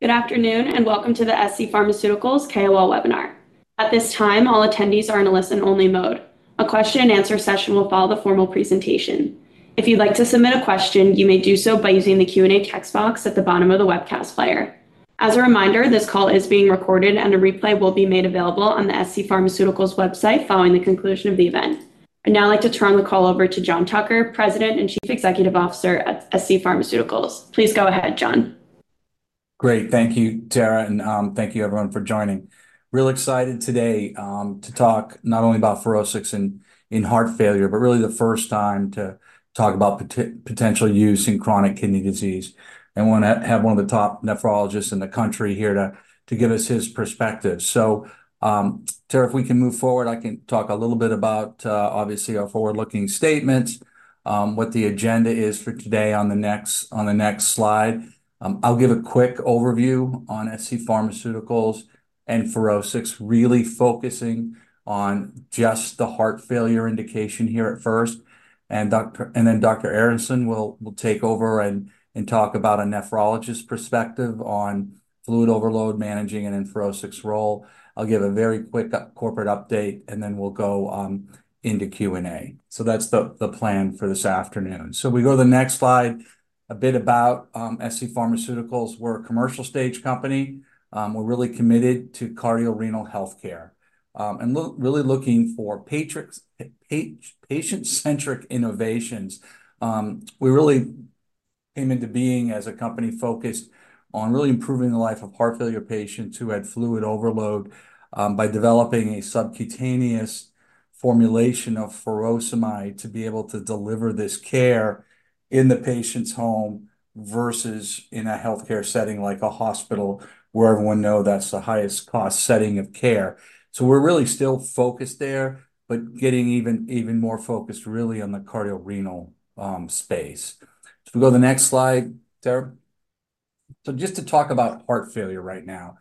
Good afternoon, and welcome to the scPharmaceuticals KOL Webinar. At this time, all attendees are in a listen-only mode. A question and answer session will follow the formal presentation. If you'd like to submit a question, you may do so by using the Q&A text box at the bottom of the webcast player. As a reminder, this call is being recorded, and a replay will be made available on the scPharmaceuticals website following the conclusion of the event. I'd now like to turn the call over to John Tucker, President and Chief Executive Officer at scPharmaceuticals. Please go ahead, John. Great. Thank you, Tara, and thank you everyone for joining. Real excited today to talk not only about FUROSCIX in heart failure, but really the first time to talk about potential use in chronic kidney disease. I wanna have one of the top nephrologists in the country here to give us his perspective. So, Tara, if we can move forward, I can talk a little bit about obviously our forward-looking statements, what the agenda is for today on the next slide. I'll give a quick overview on scPharmaceuticals and FUROSCIX, really focusing on just the heart failure indication here at first, and then Dr. Aaronson will take over and talk about a nephrologist perspective on fluid overload managing and in FUROSCIX role. I'll give a very quick corporate update, and then we'll go into Q&A. So that's the plan for this afternoon. So we go to the next slide, a bit about scPharmaceuticals. We're a commercial-stage company. We're really committed to cardiorenal healthcare, and really looking for patient-centric innovations. We really came into being as a company focused on really improving the life of heart failure patients who had fluid overload, by developing a subcutaneous formulation of furosemide to be able to deliver this care in the patient's home versus in a healthcare setting, like a hospital, where everyone know that's the highest cost setting of care. So we're really still focused there, but getting even more focused, really on the cardiorenal space. So we go to the next slide, Tara. So just to talk about heart failure right now,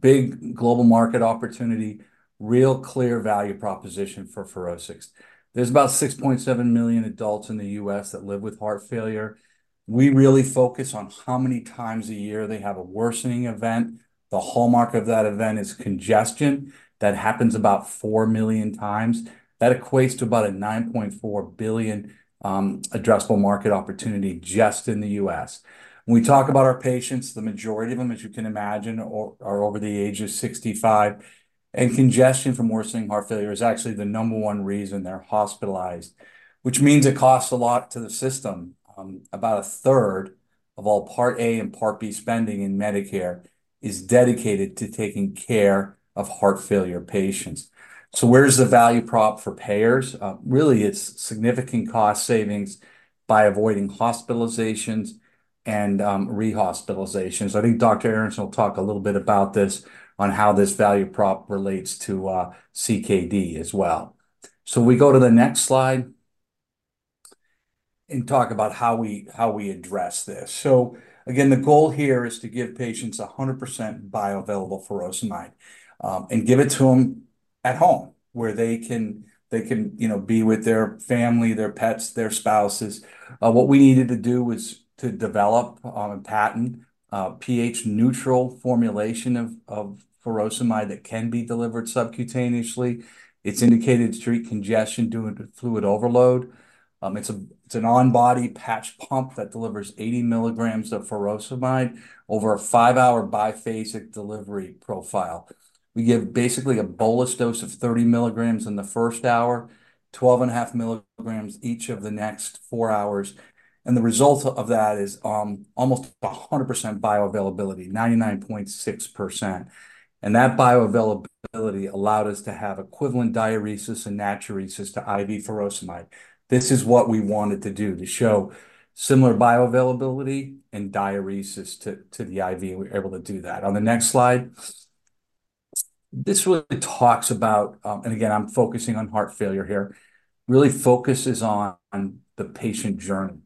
big global market opportunity, real clear value proposition for FUROSCIX. There's about 6.7 million adults in the U.S. that live with heart failure. We really focus on how many times a year they have a worsening event. The hallmark of that event is congestion. That happens about 4 million times. That equates to about a $9.4 billion addressable market opportunity just in the U.S. When we talk about our patients, the majority of them, as you can imagine, are over the age of 65, and congestion from worsening heart failure is actually the number one reason they're hospitalized, which means it costs a lot to the system. About 1/3 of all Part A and Part B spending in Medicare is dedicated to taking care of heart failure patients. So where's the value prop for payers? Really, it's significant cost savings by avoiding hospitalizations and rehospitalizations. I think Dr. Aaronson will talk a little bit about this, on how this value prop relates to CKD as well. We go to the next slide, and talk about how we address this. Again, the goal here is to give patients 100% bioavailable furosemide, and give it to them at home, where they can, you know, be with their family, their pets, their spouses. What we needed to do was to develop a patented pH-neutral formulation of furosemide that can be delivered subcutaneously. It's indicated to treat congestion due to fluid overload. It's an on-body patch pump that delivers 80 mg of furosemide over a five-hour biphasic delivery profile. We give basically a bolus dose of 30 mg in the first hour, 12.5 mg each of the next 4 hours, and the result of that is almost 100% bioavailability, 99.6%. And that bioavailability allowed us to have equivalent diuresis and natriuresis to IV furosemide. This is what we wanted to do, to show similar bioavailability and diuresis to the IV, and we're able to do that. On the next slide, this really talks about, and again, I'm focusing on heart failure here, really focuses on the patient journey.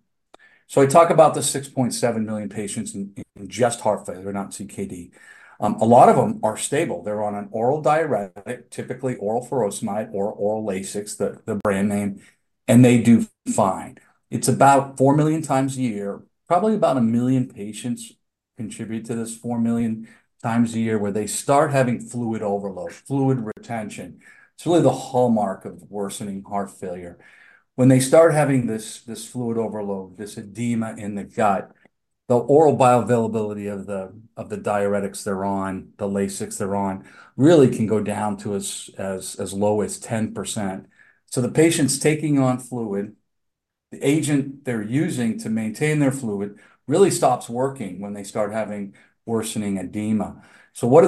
So I talk about the 6.7 million patients in just heart failure, not CKD. A lot of them are stable. They're on an oral diuretic, typically oral furosemide or oral Lasix, the brand name, and they do fine. It's about 4 million times a year, probably about a million patients contribute to this 4 million times a year, where they start having fluid overload, fluid retention. It's really the hallmark of worsening heart failure. When they start having this, this fluid overload, this edema in the gut, the oral bioavailability of the diuretics they're on, the Lasix they're on, really can go down to as low as 10%. So the patient's taking on fluid, the agent they're using to maintain their fluid really stops working when they start having worsening edema. So what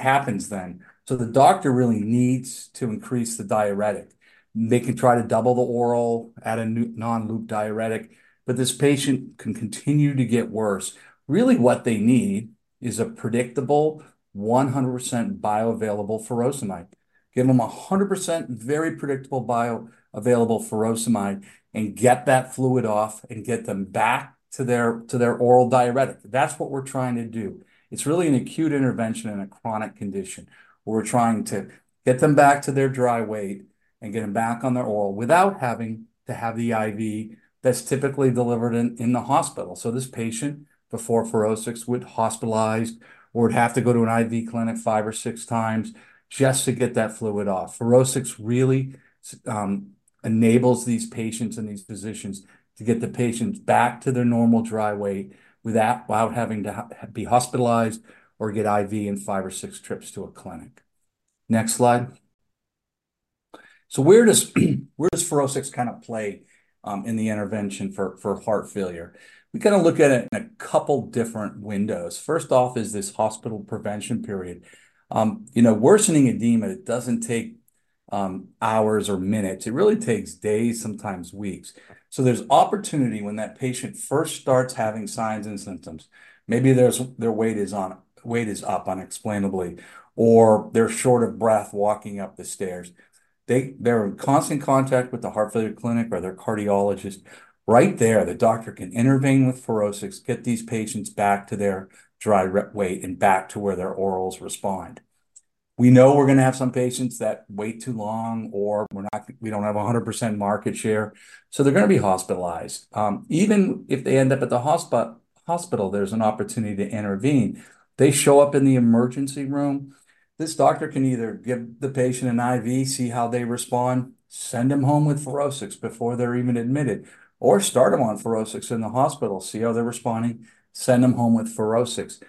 happens then? So the doctor really needs to increase the diuretic. They can try to double the oral, add a new non-loop diuretic, but this patient can continue to get worse. Really, what they need is a predictable, 100% bioavailable furosemide. Give them 100%, very predictable bioavailable furosemide, and get that fluid off, and get them back to their, to their oral diuretic. That's what we're trying to do. It's really an acute intervention in a chronic condition. We're trying to get them back to their dry weight and get them back on their oral without having to have the IV that's typically delivered in the hospital. So this patient, before FUROSCIX, would hospitalize or would have to go to an IV clinic five or six times just to get that fluid off. FUROSCIX really enables these patients and these physicians to get the patients back to their normal dry weight without having to be hospitalized or get IV in five or six trips to a clinic. Next slide. So where does FUROSCIX kind of play in the intervention for heart failure? We've gotta look at it in a couple different windows. First off is this hospital prevention period. You know, worsening edema, it doesn't take hours or minutes. It really takes days, sometimes weeks. So there's opportunity when that patient first starts having signs and symptoms. Maybe there's their weight is up unexplainably, or they're short of breath walking up the stairs. They're in constant contact with the heart failure clinic or their cardiologist. Right there, the doctor can intervene with FUROSCIX, get these patients back to their dry weight and back to where their orals respond. We know we're gonna have some patients that wait too long, or we don't have a 100% market share, so they're gonna be hospitalized. Even if they end up at the hospital, there's an opportunity to intervene. They show up in the emergency room, this doctor can either give the patient an IV, see how they respond, send them home with FUROSCIX before they're even admitted, or start them on FUROSCIX in the hospital, see how they're responding, send them home with FUROSCIX.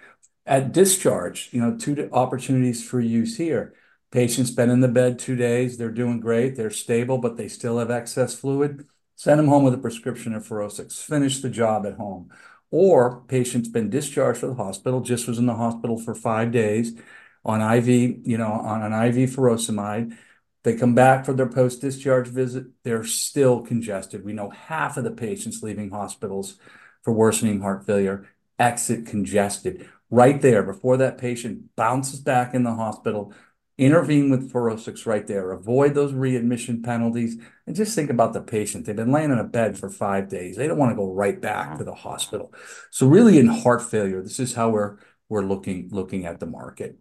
At discharge, you know, two opportunities for use here. Patient's been in the bed two days, they're doing great, they're stable, but they still have excess fluid, send them home with a prescription of FUROSCIX. Finish the job at home. Or patient's been discharged from the hospital, just was in the hospital for five days on IV, you know, on an IV furosemide. They come back for their post-discharge visit, they're still congested. We know half of the patients leaving hospitals for worsening heart failure exit congested. Right there, before that patient bounces back in the hospital, intervene with FUROSCIX right there. Avoid those readmission penalties, and just think about the patient. They've been lying in a bed for five days. They don't wanna go right back to the hospital. So really, in heart failure, this is how we're looking at the market.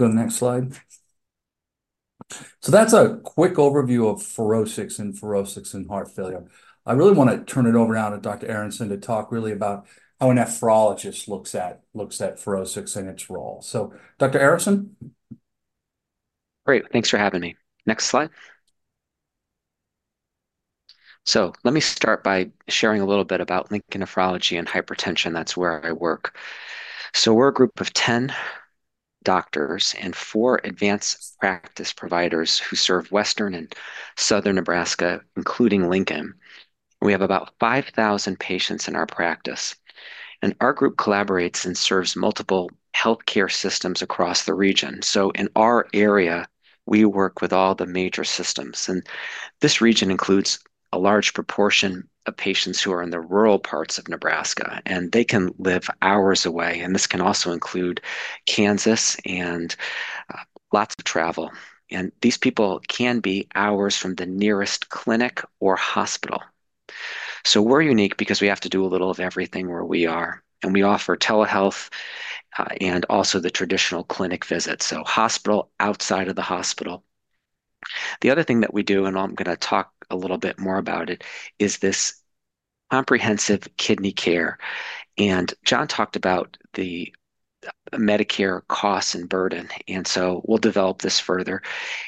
Go to the next slide. So that's a quick overview of FUROSCIX and FUROSCIX in heart failure. I really wanna turn it over now to Dr. Aaronson to talk really about how a nephrologist looks at FUROSCIX and its role. So, Dr. Aaronson? Great, thanks for having me. Next slide, so let me start by sharing a little bit about Lincoln Nephrology and Hypertension. That's where I work, so we're a group of 10 doctors and four advanced practice providers who serve western and southern Nebraska, including Lincoln. We have about 5,000 patients in our practice, and our group collaborates and serves multiple healthcare systems across the region, so in our area, we work with all the major systems, and this region includes a large proportion of patients who are in the rural parts of Nebraska, and they can live hours away, and this can also include Kansas and lots of travel, and these people can be hours from the nearest clinic or hospital.. So we're unique because we have to do a little of everything where we are, and we offer telehealth, and also the traditional clinic visits, so hospital, outside of the hospital. The other thing that we do, and I'm gonna talk a little bit more about it, is this comprehensive kidney care, and John talked about the Medicare costs and burden, and so we'll develop this further.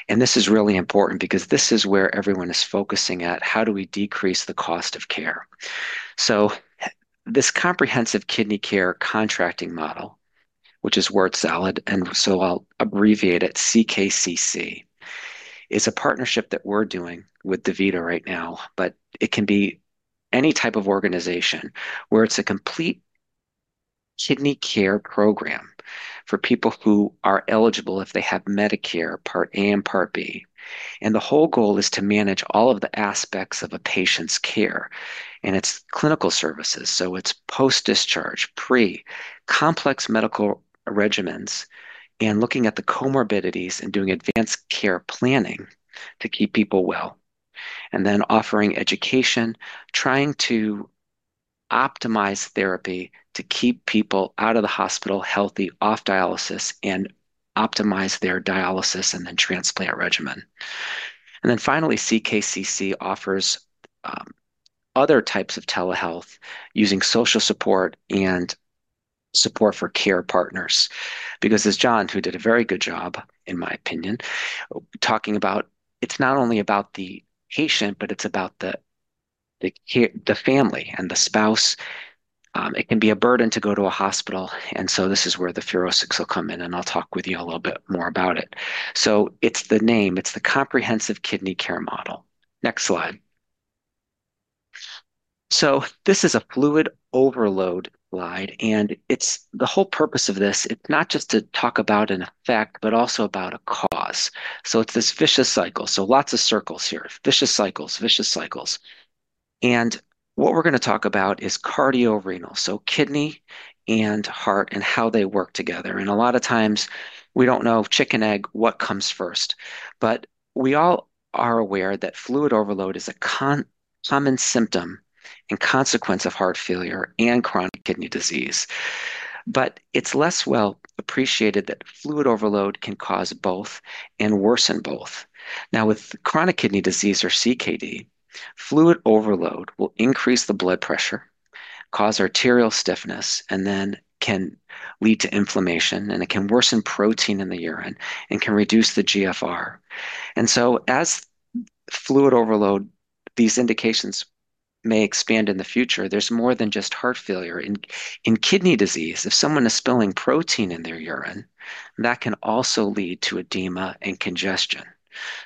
And this is really important because this is where everyone is focusing at: how do we decrease the cost of care? So this comprehensive kidney care contracting model, which is word salad, and so I'll abbreviate it, CKCC, is a partnership that we're doing with DaVita right now. But it can be any type of organization, where it's a complete kidney care program for people who are eligible if they have Medicare Part A and Part B. The whole goal is to manage all of the aspects of a patient's care and its clinical services, so it's post-discharge, pre, complex medical regimens, and looking at the comorbidities and doing advanced care planning to keep people well. Then offering education, trying to optimize therapy to keep people out of the hospital, healthy, off dialysis, and optimize their dialysis, and then transplant regimen. Then finally, CKCC offers other types of telehealth using social support and support for care partners. Because as John, who did a very good job, in my opinion, talking about it's not only about the patient, but it's about the family and the spouse. It can be a burden to go to a hospital, and so this is where the FUROSCIX will come in, and I'll talk with you a little bit more about it. So it's the name, it's the comprehensive kidney care model. Next slide. So this is a fluid overload slide, and it's. The whole purpose of this is not just to talk about an effect but also about a cause. So it's this vicious cycle, so lots of circles here, vicious cycles, vicious cycles. And what we're gonna talk about is cardiorenal, so kidney and heart, and how they work together, and a lot of times, we don't know if chicken, egg, what comes first. But we all are aware that fluid overload is a common symptom and consequence of heart failure and chronic kidney disease. But it's less well appreciated that fluid overload can cause both and worsen both. Now, with chronic kidney disease, or CKD, fluid overload will increase the blood pressure, cause arterial stiffness, and then can lead to inflammation, and it can worsen protein in the urine and can reduce the GFR. And so as fluid overload, these indications may expand in the future, there's more than just heart failure. In kidney disease, if someone is spilling protein in their urine, that can also lead to edema and congestion.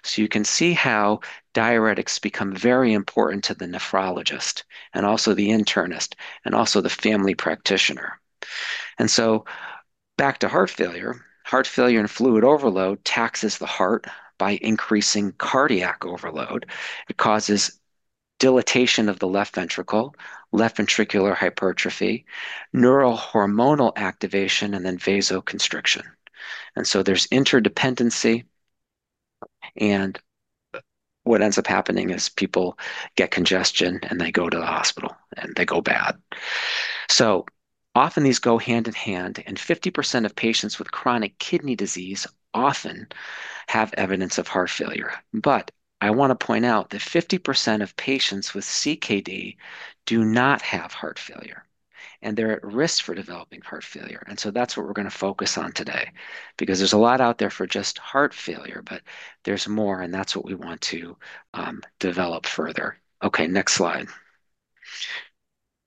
So you can see how diuretics become very important to the nephrologist and also the internist and also the family practitioner. And so back to heart failure. Heart failure and fluid overload taxes the heart by increasing cardiac overload. It causes dilatation of the left ventricle, left ventricular hypertrophy, neurohormonal activation, and then vasoconstriction. And so there's interdependency, and what ends up happening is people get congestion, and they go to the hospital, and they go bad. So often, these go hand in hand, and 50% of patients with chronic kidney disease often have evidence of heart failure. But I wanna point out that 50% of patients with CKD do not have heart failure, and they're at risk for developing heart failure, and so that's what we're gonna focus on today. Because there's a lot out there for just heart failure, but there's more, and that's what we want to develop further. Okay, next slide.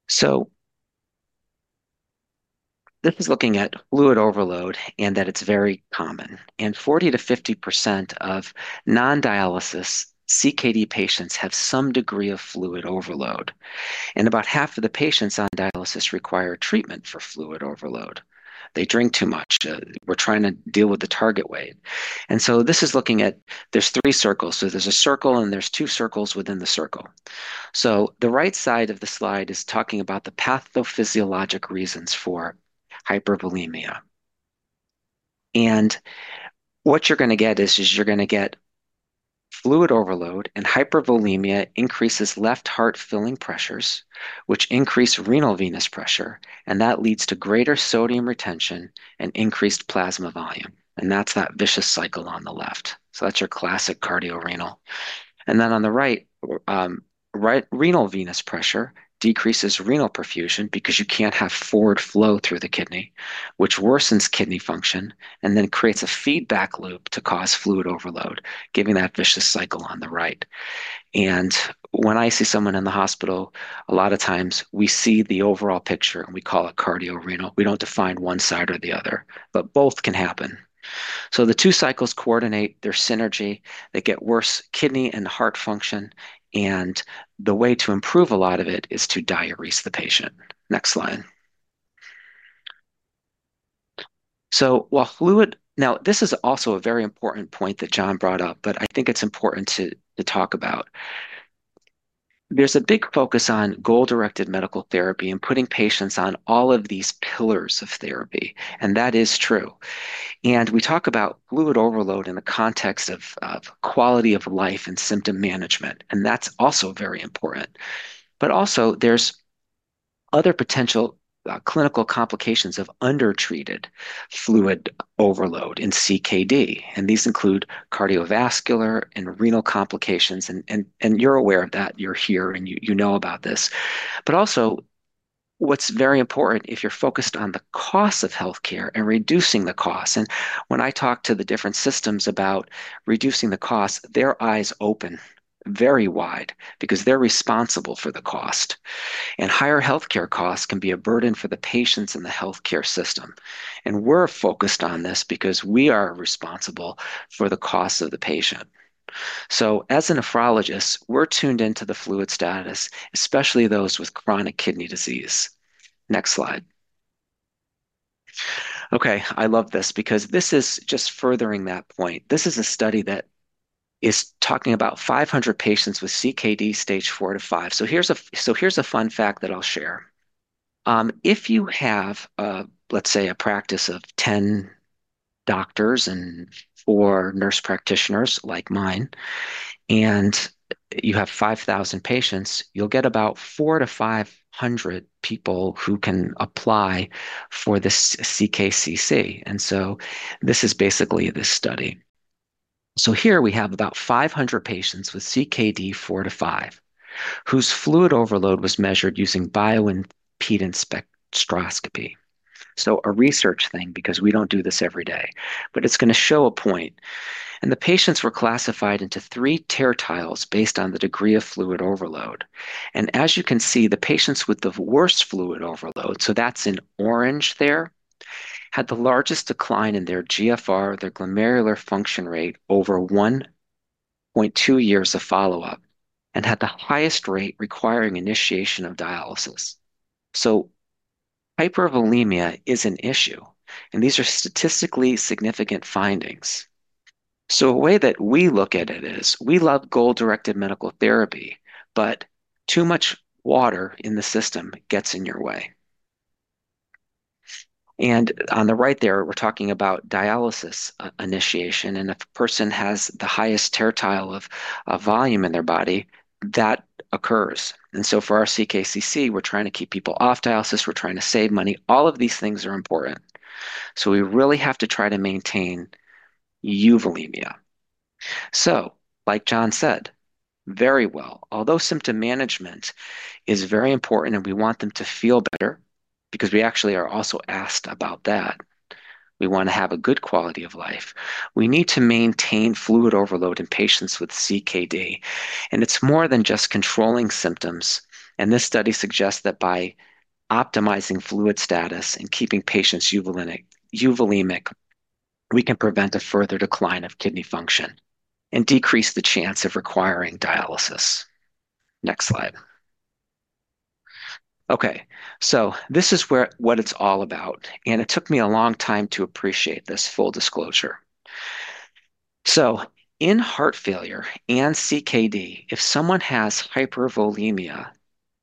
So this is looking at fluid overload, and that it's very common, and 40%-50% of non-dialysis CKD patients have some degree of fluid overload, and about half of the patients on dialysis require treatment for fluid overload. They drink too much. We're trying to deal with the target weight. And so this is looking at there's three circles. So there's a circle, and there's two circles within the circle. So the right side of the slide is talking about the pathophysiologic reasons for hypervolemia. And what you're gonna get is you're gonna get fluid overload, and hypervolemia increases left heart filling pressures, which increase renal venous pressure, and that leads to greater sodium retention and increased plasma volume, and that's that vicious cycle on the left. So that's your classic cardiorenal. And then on the right, right renal venous pressure decreases renal perfusion because you can't have forward flow through the kidney, which worsens kidney function and then creates a feedback loop to cause fluid overload, giving that vicious cycle on the right. And when I see someone in the hospital, a lot of times we see the overall picture, and we call it cardiorenal. We don't define one side or the other, but both can happen. So the two cycles coordinate their synergy. They get worse kidney and heart function, and the way to improve a lot of it is to diurese the patient. Next slide. So while fluid now, this is also a very important point that John brought up, but I think it's important to talk about. There's a big focus on goal-directed medical therapy and putting patients on all of these pillars of therapy, and that is true. And we talk about fluid overload in the context of quality of life and symptom management, and that's also very important. But also, there's other potential clinical complications of undertreated fluid overload in CKD, and these include cardiovascular and renal complications. You're aware of that. You're here, and you know about this. But also, what's very important, if you're focused on the cost of healthcare and reducing the cost, and when I talk to the different systems about reducing the cost, their eyes open very wide because they're responsible for the cost. Higher healthcare costs can be a burden for the patients in the healthcare system, and we're focused on this because we are responsible for the cost of the patient. As a nephrologist, we're tuned into the fluid status, especially those with chronic kidney disease. Next slide. Okay, I love this because this is just furthering that point. This is a study that is talking about 500 patients with CKD Stage 4-5. So here's a fun fact that I'll share. If you have, let's say, a practice of 10 doctors and four nurse practitioners like mine, and you have 5,000 patients, you'll get about 400-500 people who can apply for this CKCC, and so this is basically this study. So here we have about 500 patients with CKD four to five, whose fluid overload was measured using bioimpedance spectroscopy. So a research thing, because we don't do this every day, but it's gonna show a point, and the patients were classified into three tertiles based on the degree of fluid overload. As you can see, the patients with the worst fluid overload, so that's in orange there, had the largest decline in their GFR, their glomerular filtration rate, over 1.2 years of follow-up and had the highest rate requiring initiation of dialysis. Hypervolemia is an issue, and these are statistically significant findings. A way that we look at it is we love goal-directed medical therapy, but too much water in the system gets in your way. On the right there, we're talking about dialysis initiation, and if a person has the highest tertile of volume in their body, that occurs. For our CKCC, we're trying to keep people off dialysis. We're trying to save money. All of these things are important. We really have to try to maintain euvolemia. Like John said very well, although symptom management is very important, and we want them to feel better because we actually are also asked about that, we want to have a good quality of life. We need to maintain fluid overload in patients with CKD, and it's more than just controlling symptoms, and this study suggests that by optimizing fluid status and keeping patients euvolemic, euvolemic, we can prevent a further decline of kidney function and decrease the chance of requiring dialysis. Next slide. Okay, so this is where, what it's all about, and it took me a long time to appreciate this, full disclosure. So in heart failure and CKD, if someone has hypervolemia,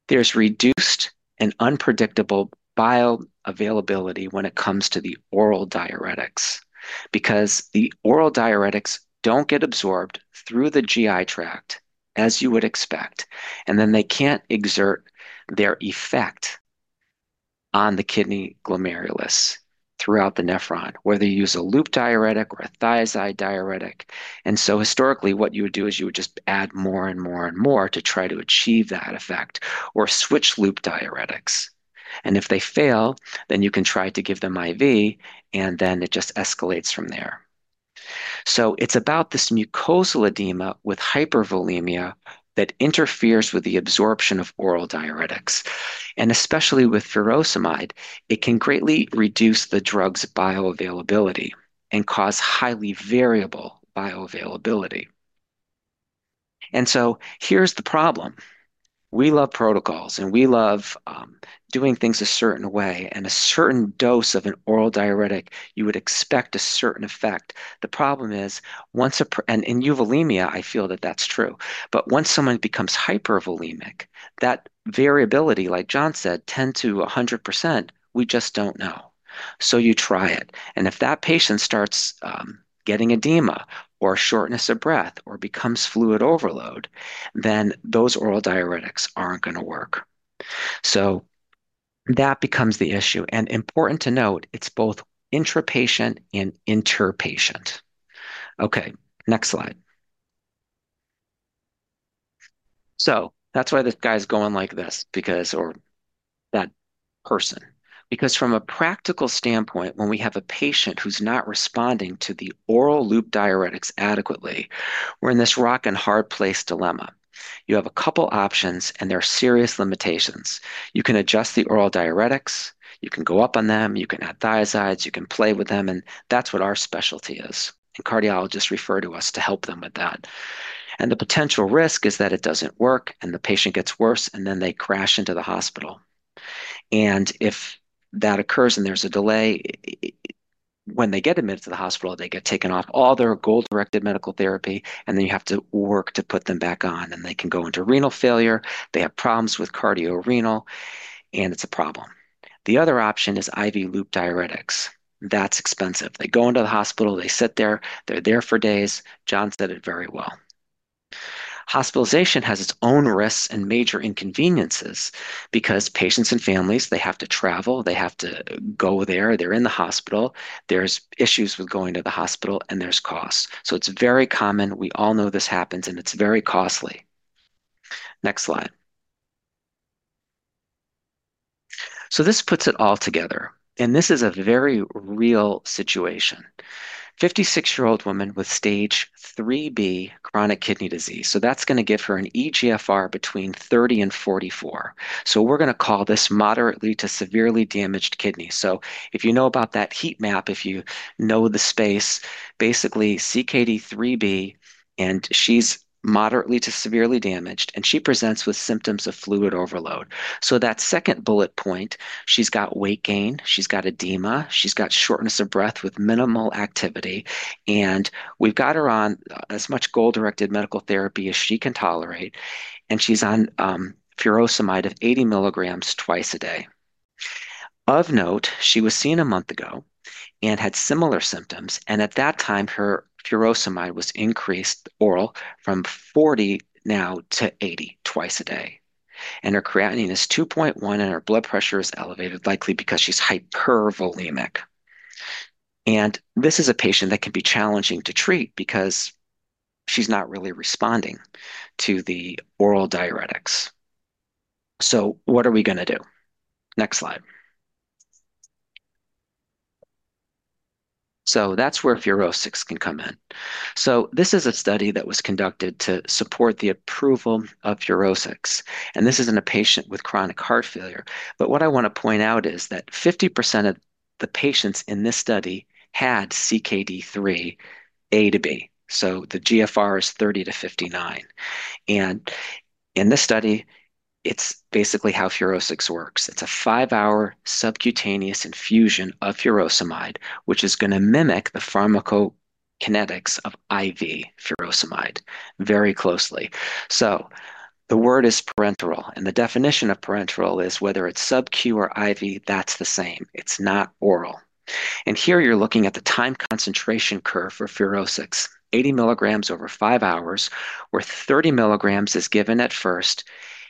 there's reduced and unpredictable bioavailability when it comes to the oral diuretics, because the oral diuretics don't get absorbed through the GI tract, as you would expect, and then they can't exert their effect on the kidney glomerulus throughout the nephron, whether you use a loop diuretic or a thiazide diuretic. And so historically, what you would do is you would just add more and more and more to try to achieve that effect or switch loop diuretics. And if they fail, then you can try to give them IV, and then it just escalates from there. So it's about this mucosal edema with hypervolemia that interferes with the absorption of oral diuretics, and especially with furosemide, it can greatly reduce the drug's bioavailability and cause highly variable bioavailability. And so here's the problem: We love protocols, and we love doing things a certain way, and a certain dose of an oral diuretic, you would expect a certain effect. The problem is, once, and in euvolemia, I feel that that's true, but once someone becomes hypervolemic, that variability, like John said, 10%-100%, we just don't know. So you try it, and if that patient starts getting edema or shortness of breath or becomes fluid overload, then those oral diuretics aren't gonna work. So that becomes the issue, and important to note, it's both intrapatient and interpatient. Okay, next slide. So that's why this guy's going like this, because or that person, because from a practical standpoint, when we have a patient who's not responding to the oral loop diuretics adequately, we're in this rock and hard place dilemma. You have a couple options, and there are serious limitations. You can adjust the oral diuretics, you can go up on them, you can add thiazides, you can play with them, and that's what our specialty is, and cardiologists refer to us to help them with that, and the potential risk is that it doesn't work, and the patient gets worse, and then they crash into the hospital, and if that occurs, and there's a delay, it, when they get admitted to the hospital, they get taken off all their goal-directed medical therapy, and then you have to work to put them back on, and they can go into renal failure. They have problems with cardiorenal, and it's a problem. The other option is IV loop diuretics. That's expensive. They go into the hospital, they sit there, they're there for days. John said it very well. Hospitalization has its own risks and major inconveniences because patients and families, they have to travel, they have to go there. They're in the hospital. There's issues with going to the hospital, and there's costs. So it's very common. We all know this happens, and it's very costly. Next slide. So this puts it all together, and this is a very real situation. Fifty-six-year-old woman with Stage 3-B chronic kidney disease, so that's gonna give her an eGFR between 30 and 44. So we're gonna call this moderately to severely damaged kidney. So if you know about that heat map, if you know the space, basically CKD 3-B, and she's moderately to severely damaged, and she presents with symptoms of fluid overload. So that second bullet point, she's got weight gain, she's got edema, she's got shortness of breath with minimal activity, and we've got her on as much goal-directed medical therapy as she can tolerate, and she's on furosemide of 80 mg twice a day. Of note, she was seen a month ago and had similar symptoms, and at that time, her furosemide was increased, oral, from 40 now to 80 twice a day. And her creatinine is 2.1, and her blood pressure is elevated, likely because she's hypervolemic. And this is a patient that can be challenging to treat because she's not really responding to the oral diuretics. So what are we gonna do? Next slide. So that's where FUROSCIX can come in. So this is a study that was conducted to support the approval of FUROSCIX, and this is in a patient with chronic heart failure. But what I wanna point out is that 50% of the patients in this study had CKD 3, A-B, so the GFR is 30 to 59. And in this study, it's basically how FUROSCIX works. It's a five-hour subcutaneous infusion of furosemide, which is gonna mimic the pharmacokinetics of IV furosemide very closely. So the word is parenteral, and the definition of parenteral is whether it's subq or IV, that's the same. It's not oral. Here you're looking at the time concentration curve for FUROSCIX, 80 mg over five hours, where 30 mg is given at first,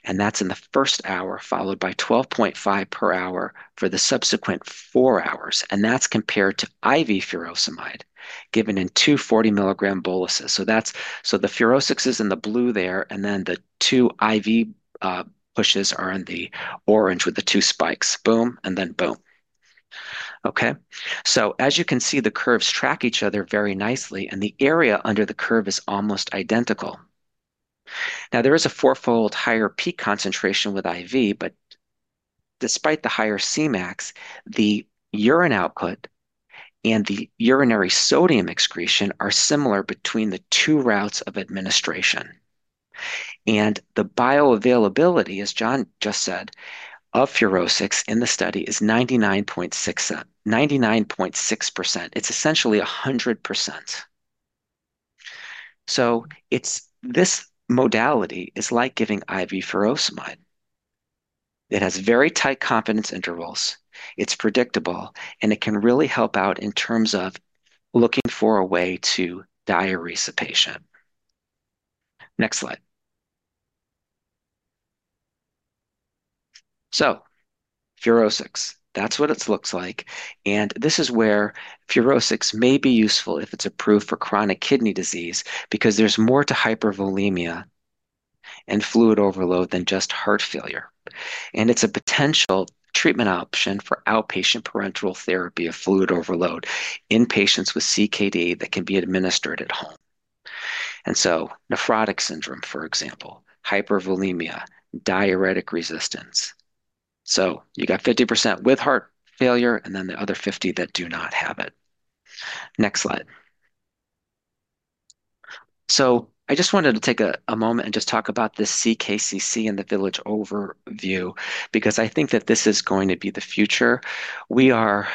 and that's in the first hour, followed by 12.5 per hour for the subsequent four hours, and that's compared to IV furosemide, given in two 40 mg boluses. So the FUROSCIX is in the blue there, and then the two IV pushes are in the orange with the two spikes, boom, and then boom. Okay? So as you can see, the curves track each other very nicely, and the area under the curve is almost identical. Now, there is a fourfold higher peak concentration with IV, but despite the higher Cmax, the urine output and the urinary sodium excretion are similar between the two routes of administration. The bioavailability, as John just said, of FUROSCIX in the study is 99.6%. It's essentially 100%. So it's, this modality is like giving IV furosemide. It has very tight confidence intervals, it's predictable, and it can really help out in terms of looking for a way to diurese a patient. Next slide. So FUROSCIX, that's what it looks like, and this is where FUROSCIX may be useful if it's approved for chronic kidney disease, because there's more to hypervolemia and fluid overload than just heart failure. And it's a potential treatment option for outpatient parenteral therapy of fluid overload in patients with CKD that can be administered at home. And so nephrotic syndrome, for example, hypervolemia, diuretic resistance. So you got 50% with heart failure, and then the other 50 that do not have it. Next slide. So I just wanted to take a moment and just talk about this CKCC and the Village overview, because I think that this is going to be the future. We are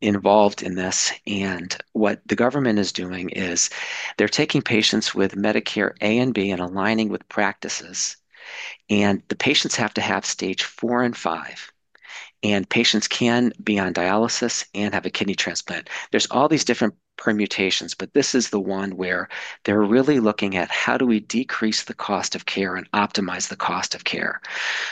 involved in this, and what the government is doing is they're taking patients with Medicare A and B and aligning with practices, and the patients have to have Stage 4 and 5, and patients can be on dialysis and have a kidney transplant. There's all these different permutations, but this is the one where they're really looking at, how do we decrease the cost of care and optimize the cost of care?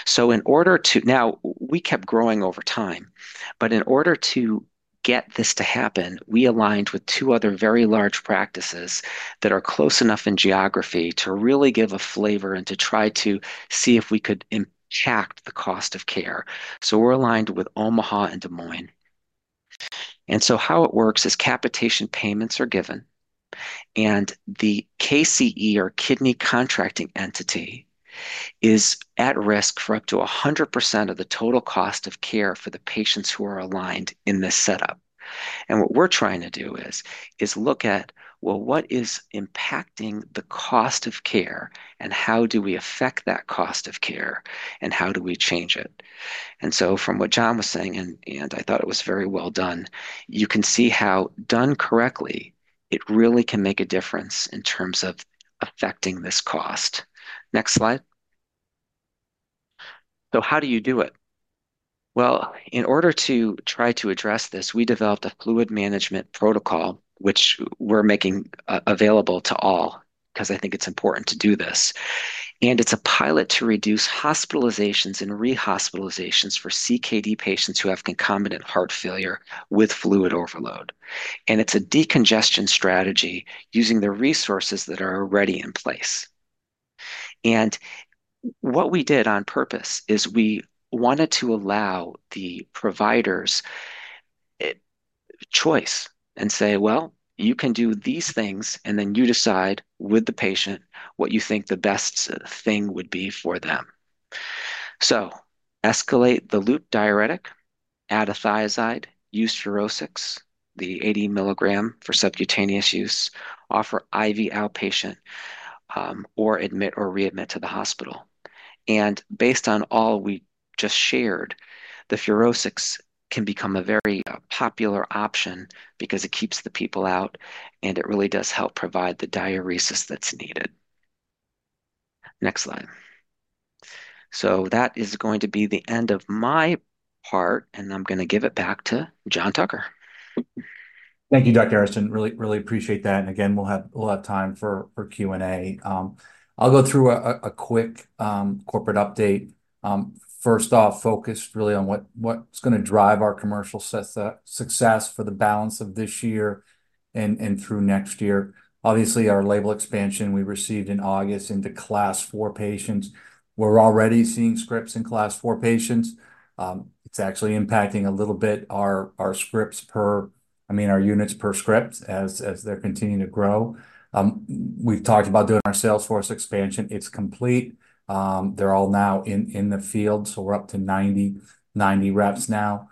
So in order to. Now, we kept growing over time, but in order to get this to happen, we aligned with two other very large practices that are close enough in geography to really give a flavor and to try to see if we could impact the cost of care. So we're aligned with Omaha and Des Moines. And so how it works is capitation payments are given, and the KCE, or Kidney Contracting Entity, is at risk for up to 100% of the total cost of care for the patients who are aligned in this setup. And what we're trying to do is look at, well, what is impacting the cost of care, and how do we affect that cost of care, and how do we change it? And so from what John was saying, and I thought it was very well done, you can see how, done correctly, it really can make a difference in terms of affecting this cost. Next slide. So how do you do it? Well, in order to try to address this, we developed a fluid management protocol, which we're making available to all, 'cause I think it's important to do this. And it's a pilot to reduce hospitalizations and rehospitalizations for CKD patients who have concomitant heart failure with fluid overload. And it's a decongestion strategy using the resources that are already in place. What we did on purpose is we wanted to allow the providers choice and say, "Well, you can do these things, and then you decide with the patient what you think the best thing would be for them." Escalate the loop diuretic, add a thiazide, use FUROSCIX, the 80 mg for subcutaneous use, offer IV outpatient, or admit or readmit to the hospital. Based on all we just shared, the FUROSCIX can become a very popular option because it keeps the people out, and it really does help provide the diuresis that's needed. Next slide. That is going to be the end of my part, and I'm gonna give it back to John Tucker. Thank you, Dr. Aaronson. Really, really appreciate that, and again, we'll have time for Q&A. I'll go through a quick corporate update. First off, focused really on what's gonna drive our commercial success for the balance of this year and through next year. Obviously, our label expansion we received in August into Class IV patients. We're already seeing scripts in Class IV patients. It's actually impacting a little bit our scripts per... I mean, our units per script as they're continuing to grow. We've talked about doing our sales force expansion. It's complete. They're all now in the field, so we're up to 90 reps now.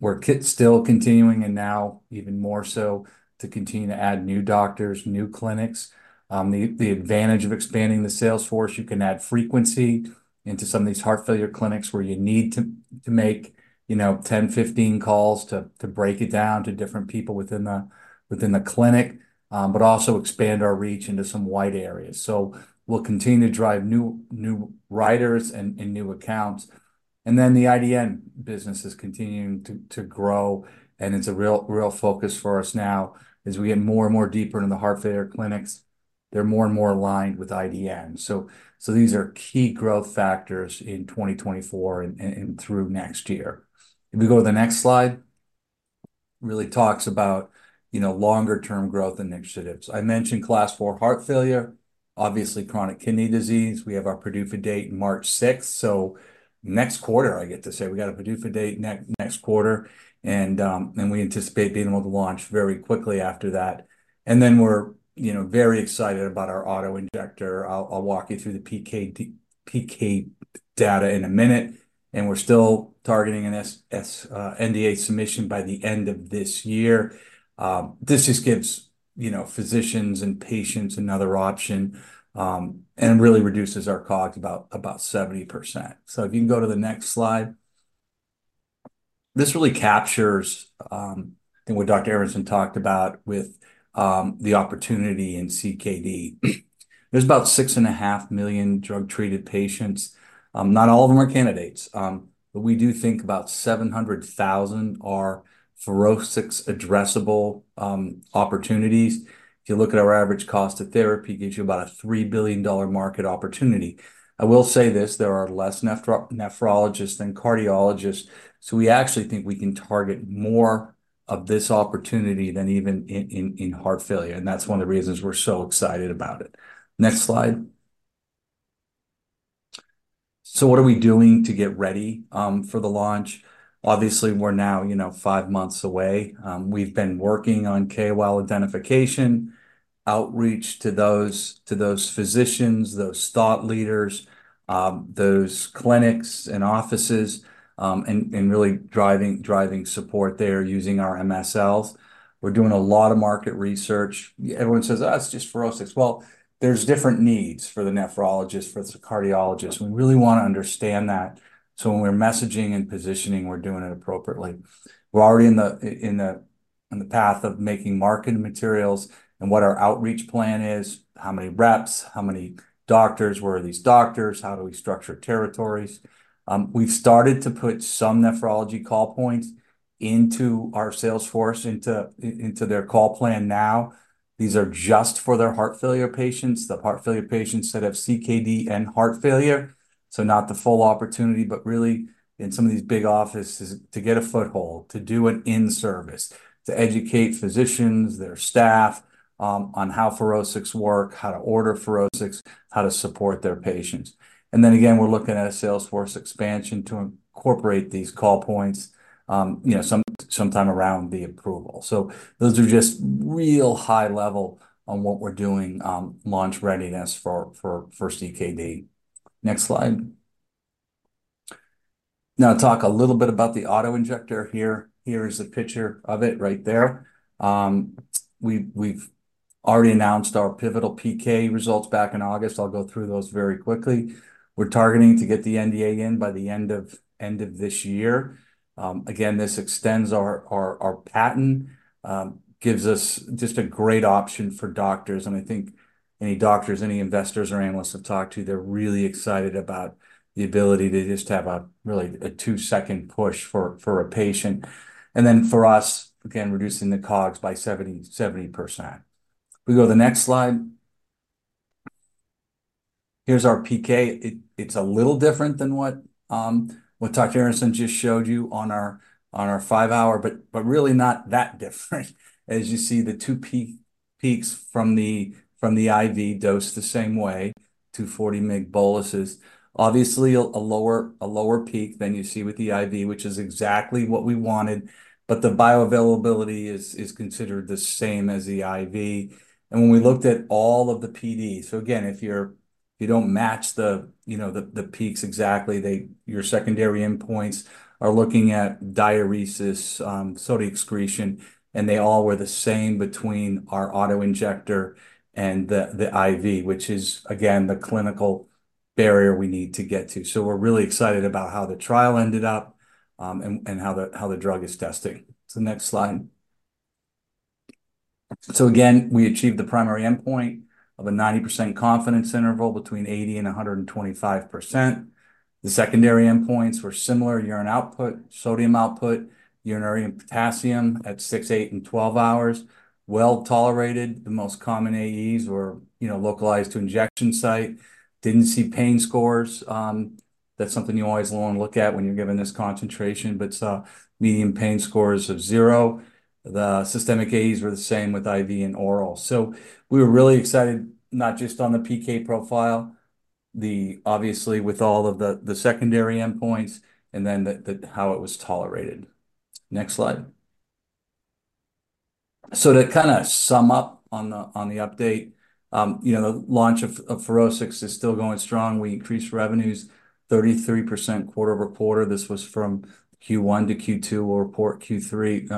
We're still continuing, and now even more so, to continue to add new doctors, new clinics. The advantage of expanding the sales force, you can add frequency into some of these heart failure clinics where you need to make, you know, 10, 15 calls to break it down to different people within the clinic, but also expand our reach into some wide areas. So we'll continue to drive new writers and new accounts. And then the IDN business is continuing to grow, and it's a real focus for us now. As we get more and more deeper into the heart failure clinics, they're more and more aligned with IDN. So these are key growth factors in 2024 and through next year. If we go to the next slide? Really talks about, you know, longer term growth initiatives. I mentioned Class IV heart failure, obviously chronic kidney disease. We have our PDUFA date March 6, so next quarter, I get to say, we got a PDUFA date next, next quarter, and and we anticipate being able to launch very quickly after that. And then we're, you know, very excited about our auto-injector. I'll walk you through the PK data in a minute, and we're still targeting an sNDA submission by the end of this year. This just gives, you know, physicians and patients another option, and really reduces our COG about 70%. So if you can go to the next slide. This really captures, I think what Dr. Aaronson talked about with the opportunity in CKD. There's about 6.5 million drug-treated patients. Not all of them are candidates, but we do think about 700,000 are FUROSCIX addressable opportunities. If you look at our average cost of therapy, it gives you about a $3 billion market opportunity. I will say this, there are less nephrologists than cardiologists, so we actually think we can target more of this opportunity than even in heart failure, and that's one of the reasons we're so excited about it. Next slide. What are we doing to get ready for the launch? Obviously, we're now, you know, five months away. We've been working on KOL identification, outreach to those physicians, those thought leaders, those clinics and offices, and really driving support there using our MSLs. We're doing a lot of market research. Everyone says, "Oh, it's just FUROSCIX." Well, there's different needs for the nephrologist, for the cardiologist. We really wanna understand that, so when we're messaging and positioning, we're doing it appropriately. We're already on the path of making marketing materials and what our outreach plan is, how many reps, how many doctors, where are these doctors, how do we structure territories? We've started to put some nephrology call points into our sales force, into their call plan now. These are just for their heart failure patients, the heart failure patients that have CKD and heart failure, so not the full opportunity, but really in some of these big offices, to get a foothold, to do an in-service, to educate physicians, their staff, on how FUROSCIX work, how to order FUROSCIX, how to support their patients. And then again, we're looking at a sales force expansion to incorporate these call points, you know, sometime around the approval. So those are just real high level on what we're doing, launch readiness for CKD. Next slide. Now, talk a little bit about the auto-injector here. Here is a picture of it right there. We've already announced our pivotal PK results back in August. I'll go through those very quickly. We're targeting to get the NDA in by the end of this year. Again, this extends our patent, gives us just a great option for doctors, and I think any doctors, any investors or analysts I've talked to, they're really excited about the ability to just have a really a two-second push for a patient. And then for us, again, reducing the COGS by 70%. We go to the next slide. Here's our PK. It's a little different than what, what Dr. Aaronson just showed you on our five-hour, but really not that different. As you see, the two peaks from the IV dose the same way, 240 mg boluses. Obviously, a lower peak than you see with the IV, which is exactly what we wanted, but the bioavailability is considered the same as the IV. And when we looked at all of the PD. So again, you don't match the, you know, the peaks exactly. They, your secondary endpoints are looking at diuresis, sodium excretion, and they all were the same between our auto-injector and the IV, which is, again, the clinical barrier we need to get to. So we're really excited about how the trial ended up, and how the drug is testing. So next slide. So again, we achieved the primary endpoint of a 90% confidence interval between 80% and 125%. The secondary endpoints were similar, urine output, sodium output, urinary potassium at six, eight, and 12 hours. Well-tolerated. The most common AEs were, you know, localized to injection site. Didn't see pain scores. That's something you always wanna look at when you're given this concentration, but median pain scores of zero. The systemic AEs were the same with IV and oral. So we were really excited, not just on the PK profile, obviously with all of the secondary endpoints, and then how it was tolerated. Next slide. So to sum up on the update, you know, the launch of FUROSCIX is still going strong. We increased revenues 33% quarter-over-quarter. This was from Q1 to Q2. We'll report Q3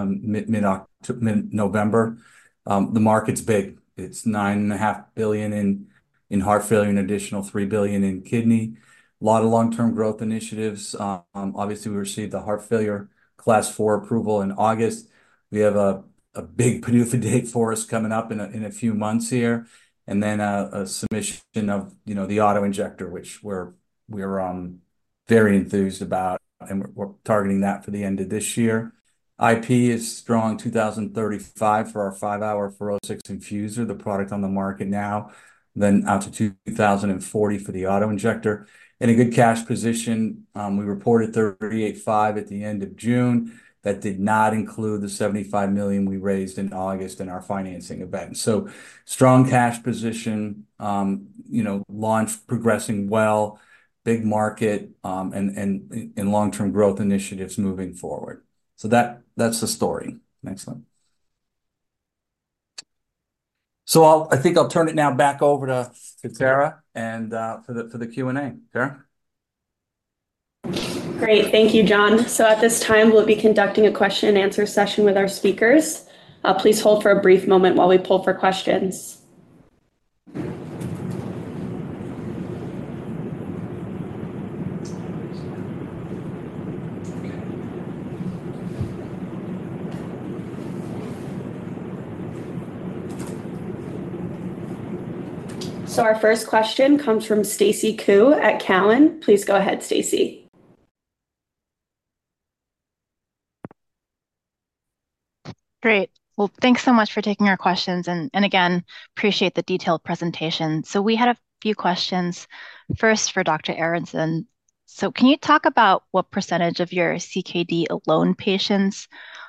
mid-November. The market's big. It's $9.5 billion in heart failure and additional $3 billion in kidney. A lot of long-term growth initiatives. Obviously, we received the heart failure Class IV approval in August. We have a big PDUFA date for us coming up in a few months here, and then a submission of, you know, the auto-injector, which we're very enthused about, and we're targeting that for the end of this year. IP is strong, 2035 for our five-hour FUROSCIX infuser, the product on the market now, then out to 2040 for the auto-injector. In a good cash position, we reported $38.5 million at the end of June. That did not include the $75 million we raised in August in our financing event. So strong cash position, you know, launch progressing well, big market, and long-term growth initiatives moving forward. So that, that's the story. Next slide. So I think I'll turn it now back over to Tara, and for the Q&A. Tara? Great. Thank you, John. So at this time, we'll be conducting a question and answer session with our speakers. Please hold for a brief moment while we poll for questions. So our first question comes from Stacy Ku at Cowen. Please go ahead, Stacy. Great. Thanks so much for taking our questions, and again, appreciate the detailed presentation. We had a few questions, first for Dr. Aaronson. Can you talk about what percentage of your CKD alone patients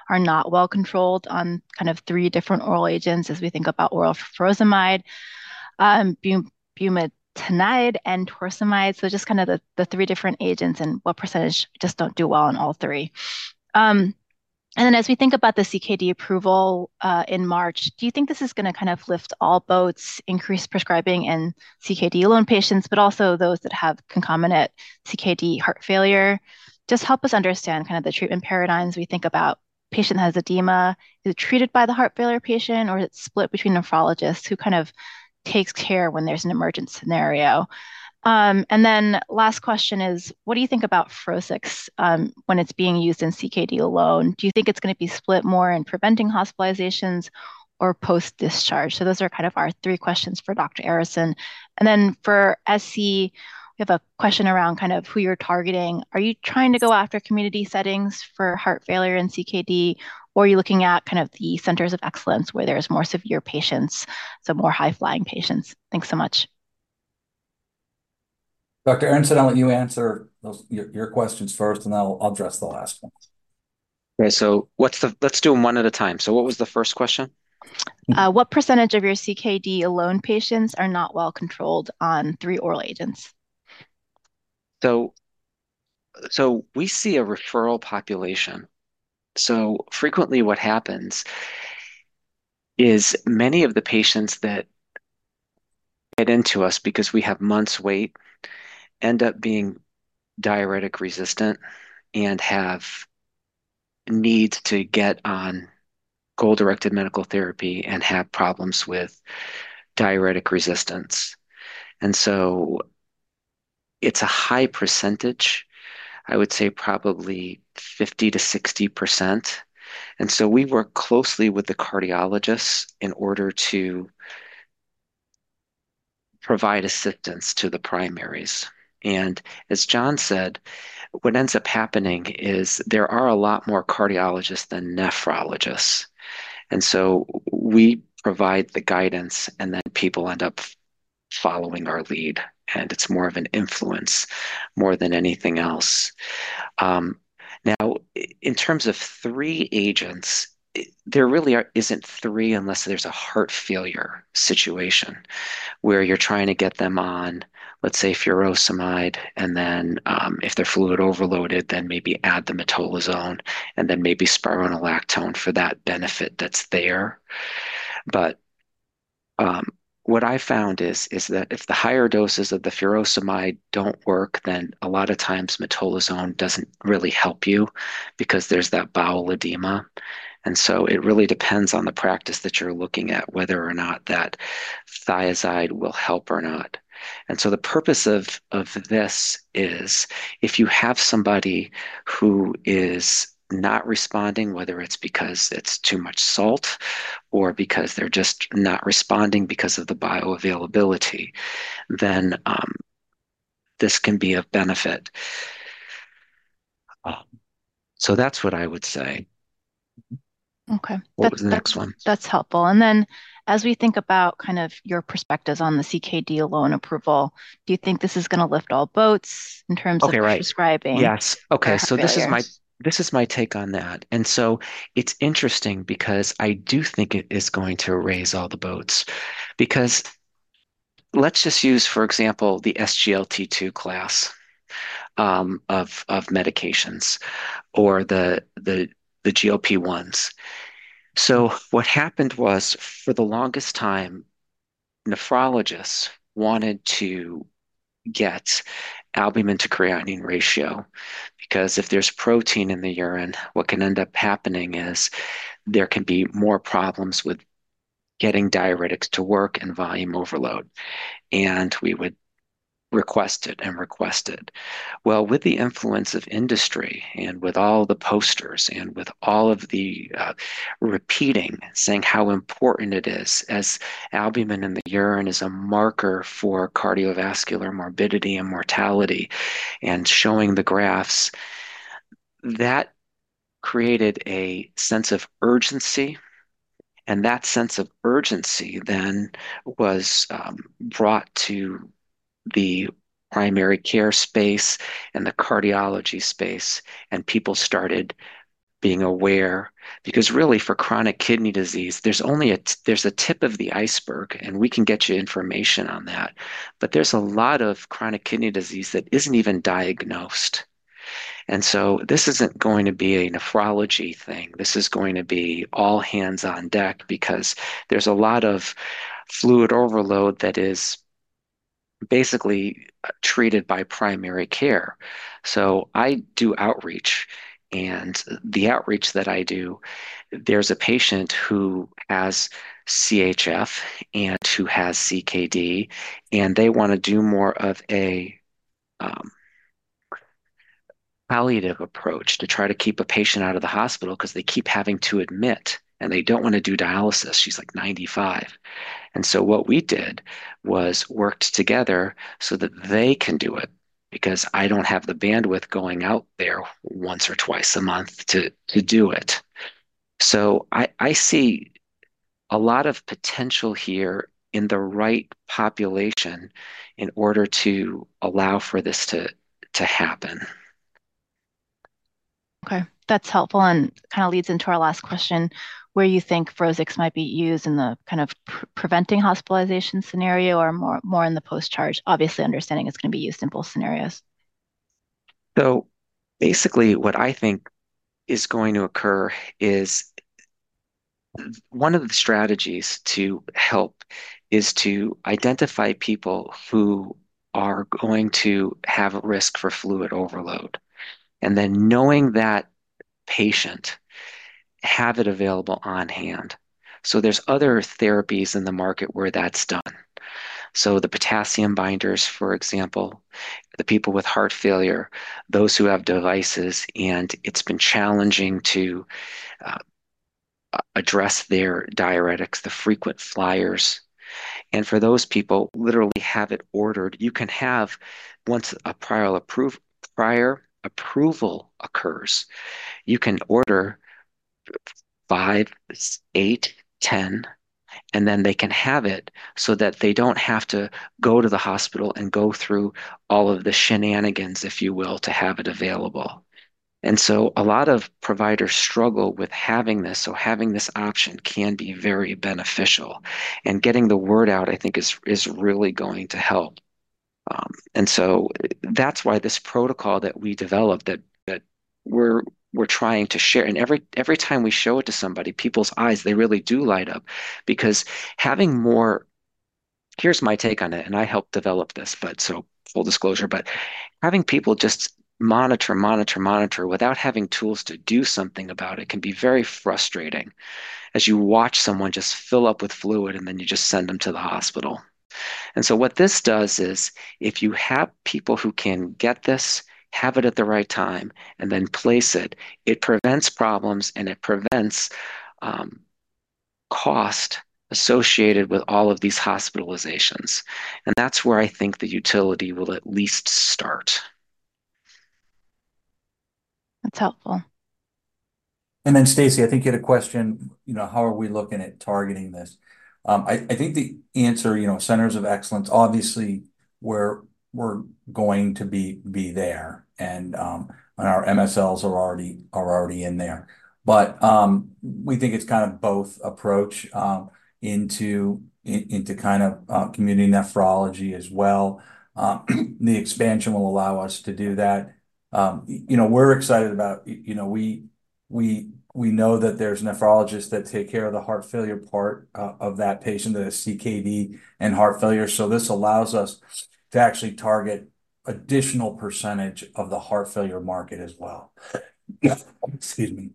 are not well controlled on kind of three different oral agents as we think about oral furosemide, bumetanide, and torsemide? Just kind of the three different agents and what percentage just don't do well on all three. Then as we think about the CKD approval in March, do you think this is gonna kind of lift all boats, increase prescribing in CKD alone patients, but also those that have concomitant CKD heart failure? Just help us understand kind of the treatment paradigms we think about. Patient has edema, is it treated by the heart failure specialist, or is it split between nephrologists? Who kind of takes care when there's an emergent scenario? And then last question is, what do you think about FUROSCIX when it's being used in CKD alone? Do you think it's gonna be split more in preventing hospitalizations or post-discharge? So those are kind of our three questions for Dr. Aaronson. And then for SC, we have a question around kind of who you're targeting. Are you trying to go after community settings for heart failure and CKD, or are you looking at kind of the centers of excellence where there's more severe patients, so more high-flying patients? Thanks so much. Dr. Aaronson, I'll let you answer those, your questions first, and then I'll address the last one. Okay, so what's the, let's do them one at a time. So what was the first question? What percentage of your CKD alone patients are not well controlled on three oral agents? We see a referral population. Frequently, what happens is many of the patients that get into us, because we have months' wait, end up being diuretic resistant and have need to get on goal-directed medical therapy and have problems with diuretic resistance. It's a high percentage, I would say probably 50%-60%, and so we work closely with the cardiologists in order to provide assistance to the primaries. As John said, what ends up happening is there are a lot more cardiologists than nephrologists, and so we provide the guidance, and then people end up following our lead, and it's more of an influence more than anything else. Now, in terms of three agents, there really isn't three, unless there's a heart failure situation, where you're trying to get them on, let's say, furosemide, and then, if they're fluid overloaded, then maybe add the metolazone, and then maybe spironolactone for that benefit that's there. But, what I found is that if the higher doses of the furosemide don't work, then a lot of times metolazone doesn't really help you because there's that bowel edema. And so it really depends on the practice that you're looking at, whether or not that thiazide will help or not. And so the purpose of this is, if you have somebody who is not responding, whether it's because it's too much salt or because they're just not responding because of the bioavailability, then, this can be of benefit. So that's what I would say. Okay. What was the next one? That's, that's helpful. And then as we think about kind of your perspectives on the CKD alone approval, do you think this is gonna lift all boats in terms of prescribing? Yes. Okay. So this is my take on that. And so it's interesting because I do think it is going to raise all the boats, because let's just use, for example, the SGLT2 class of medications or the GLP-1s. So what happened was, for the longest time, nephrologists wanted to get albumin-to-creatinine ratio, because if there's protein in the urine, what can end up happening is there can be more problems with getting diuretics to work and volume overload. And we would request it and request it. Well, with the influence of industry and with all the posters and with all of the repeating, saying how important it is as albumin in the urine is a marker for cardiovascular morbidity and mortality, and showing the graphs, that created a sense of urgency. That sense of urgency then was brought to the primary care space and the cardiology space, and people started being aware. Because really, for chronic kidney disease, there's only a tip of the iceberg, and we can get you information on that, but there's a lot of chronic kidney disease that isn't even diagnosed. And so this isn't going to be a nephrology thing, this is going to be all hands on deck because there's a lot of fluid overload that is basically treated by primary care. So I do outreach, and the outreach that I do, there's a patient who has CHF and who has CKD, and they wanna do more of a palliative approach to try to keep a patient out of the hospital because they keep having to admit, and they don't wanna do dialysis. She's, like, 95, and so what we did was worked together so that they can do it, because I don't have the bandwidth going out there once or twice a month to do it. So I see a lot of potential here in the right population in order to allow for this to happen. Okay, that's helpful and kind of leads into our last question, where you think FUROSCIX might be used in the kind of preventing hospitalization scenario or more in the post-discharge? Obviously, understanding it's gonna be used in both scenarios. So basically, what I think is going to occur is one of the strategies to help is to identify people who are going to have a risk for fluid overload, and then knowing that patient, have it available on hand. So there's other therapies in the market where that's done. So the potassium binders, for example, the people with heart failure, those who have devices, and it's been challenging to address their diuretics, the frequent flyers. And for those people, literally have it ordered. You can have, once a prior approval occurs, you can order five, eight, 10, and then they can have it so that they don't have to go to the hospital and go through all of the shenanigans, if you will, to have it available. And so a lot of providers struggle with having this, so having this option can be very beneficial. And getting the word out, I think, is really going to help. And so that's why this protocol that we developed that we're trying to share, and every time we show it to somebody, people's eyes, they really do light up.. Here's my take on it, and I helped develop this, but so full disclosure, having people just monitor, monitor, monitor without having tools to do something about it can be very frustrating, as you watch someone just fill up with fluid, and then you just send them to the hospital. And so what this does is, if you have people who can get this, have it at the right time, and then place it, it prevents problems, and it prevents cost associated with all of these hospitalizations. And that's where I think the utility will at least start. That's helpful. And then, Stacy, I think you had a question, you know, how are we looking at targeting this? I think the answer, you know, centers of excellence, obviously, we're going to be there, and our MSLs are already in there. But we think it's kind of both approach into kind of community nephrology as well. The expansion will allow us to do that. You know, we're excited about it. You know, we know that there's nephrologists that take care of the heart failure part of that patient, that is CKD and heart failure. So this allows us to actually target additional percentage of the heart failure market as well. Excuse me.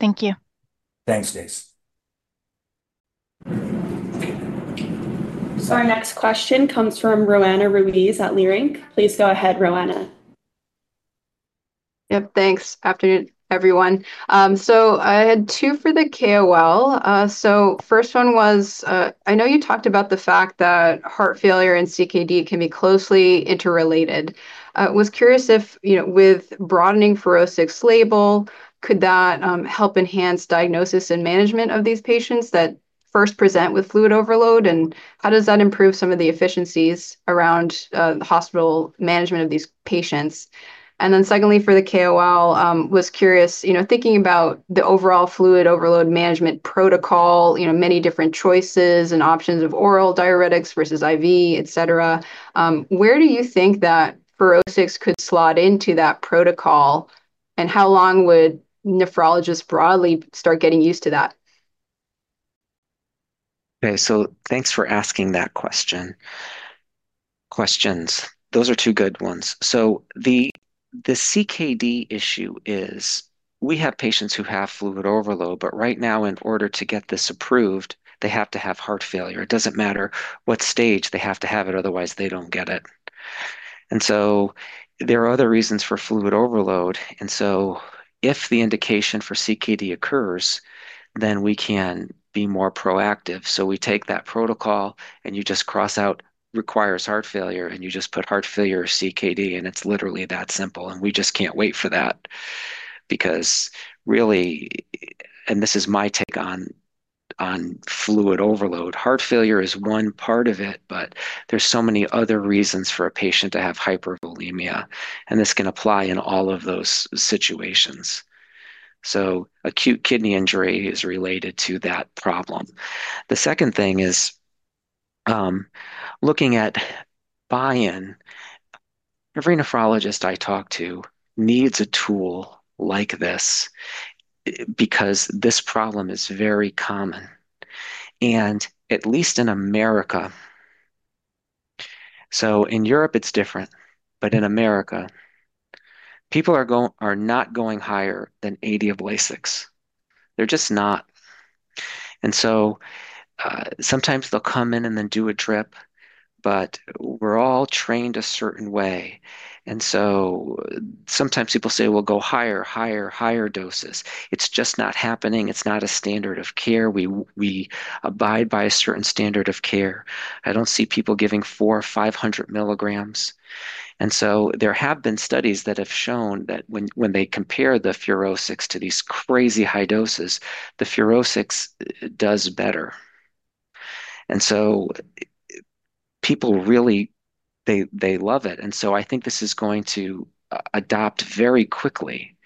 Thank you. Thanks, Stace. So our next question comes from Roanna Ruiz at Leerink. Please go ahead, Roanna. Yep, thanks. Afternoon, everyone. So I had two for the KOL. So first one was, I know you talked about the fact that heart failure and CKD can be closely interrelated. Was curious if, you know, with broadening FUROSCIX label, could that, help enhance diagnosis and management of these patients that first present with fluid overload? And how does that improve some of the efficiencies around, the hospital management of these patients? And then secondly, for the KOL, was curious, you know, thinking about the overall fluid overload management protocol, you know, many different choices and options of oral diuretics versus IV, et cetera, where do you think that FUROSCIX could slot into that protocol? And how long would nephrologists broadly start getting used to that? Okay, so thanks for asking that question, questions. Those are two good ones. So the CKD issue is we have patients who have fluid overload, but right now, in order to get this approved, they have to have heart failure. It doesn't matter what stage, they have to have it, otherwise, they don't get it. And so there are other reasons for fluid overload, and so if the indication for CKD occurs, then we can be more proactive. So we take that protocol, and you just cross out requires heart failure, and you just put heart failure CKD, and it's literally that simple, and we just can't wait for that. Because really, and this is my take on fluid overload, heart failure is one part of it, but there's so many other reasons for a patient to have hypervolemia, and this can apply in all of those situations. Acute kidney injury is related to that problem. The second thing is, looking at buy-in. Every nephrologist I talk to needs a tool like this because this problem is very common, and at least in America. In Europe, it's different, but in America, people are not going higher than 80 of Lasix. They're just not. Sometimes they'll come in and then do a drip, but we're all trained a certain way, and so sometimes people say, "Well, go higher, higher, higher doses." It's just not happening. It's not a standard of care. We abide by a certain standard of care. I don't see people giving 400 mg 500 mg. There have been studies that have shown that when they compare the FUROSCIX to these crazy high doses, the FUROSCIX does better. And so people really, they love it, and so I think this is going to adopt very quickly,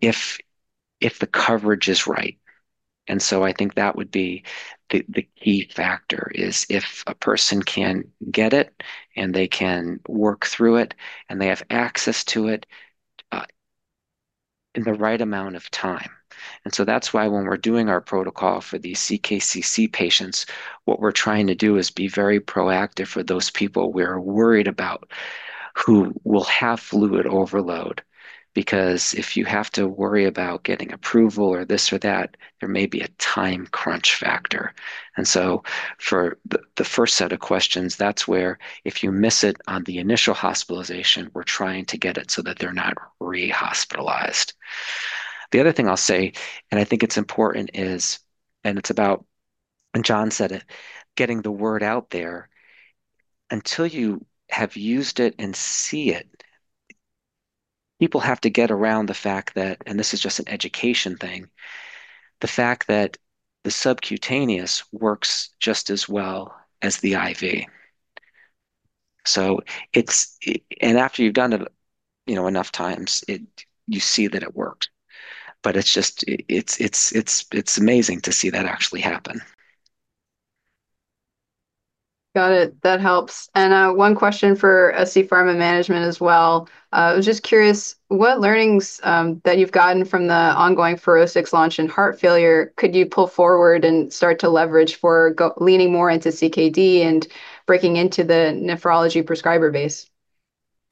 if the coverage is right. And so I think that would be the key factor, is if a person can get it, and they can work through it, and they have access to it, in the right amount of time. And so that's why when we're doing our protocol for these CKCC patients, what we're trying to do is be very proactive for those people we're worried about who will have fluid overload. Because if you have to worry about getting approval or this or that, there may be a time crunch factor. And so for the first set of questions, that's where if you miss it on the initial hospitalization, we're trying to get it so that they're not rehospitalized. The other thing I'll say, and I think it's important, is getting the word out there. And John said it. Until you have used it and see it, people have to get around the fact that, and this is just an education thing, the fact that the subcutaneous works just as well as the IV. So it's, and after you've done it, you know, enough times, you see that it worked. But it's just, it's amazing to see that actually happen. Got it. That helps. And one question for scPharma management as well. I was just curious, what learnings that you've gotten from the ongoing FUROSCIX launch in heart failure could you pull forward and start to leverage for leaning more into CKD and breaking into the nephrology prescriber base?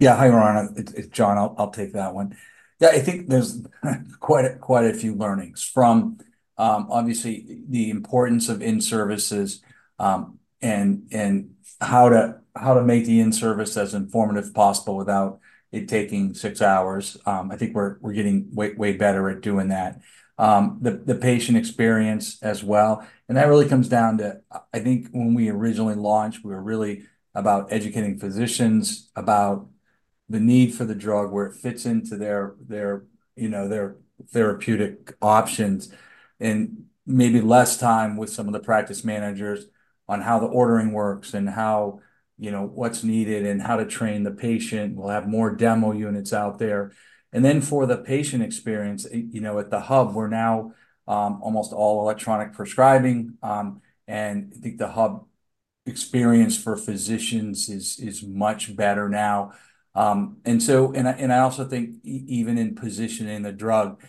Yeah. Hi, Roanna. It's John, I'll take that one. Yeah, I think there's quite a few learnings from, obviously, the importance of in-services, and how to make the in-service as informative as possible without it taking six hours. I think we're getting way better at doing that. The patient experience as well, and that really comes down to. I think when we originally launched, we were really about educating physicians about the need for the drug, where it fits into their, you know, their therapeutic options, and maybe less time with some of the practice managers on how the ordering works, and how, you know, what's needed, and how to train the patient. We'll have more demo units out there. And then for the patient experience, you know, at the hub, we're now almost all electronic prescribing, and I think the hub experience for physicians is much better now. And so I also think even in positioning the drug,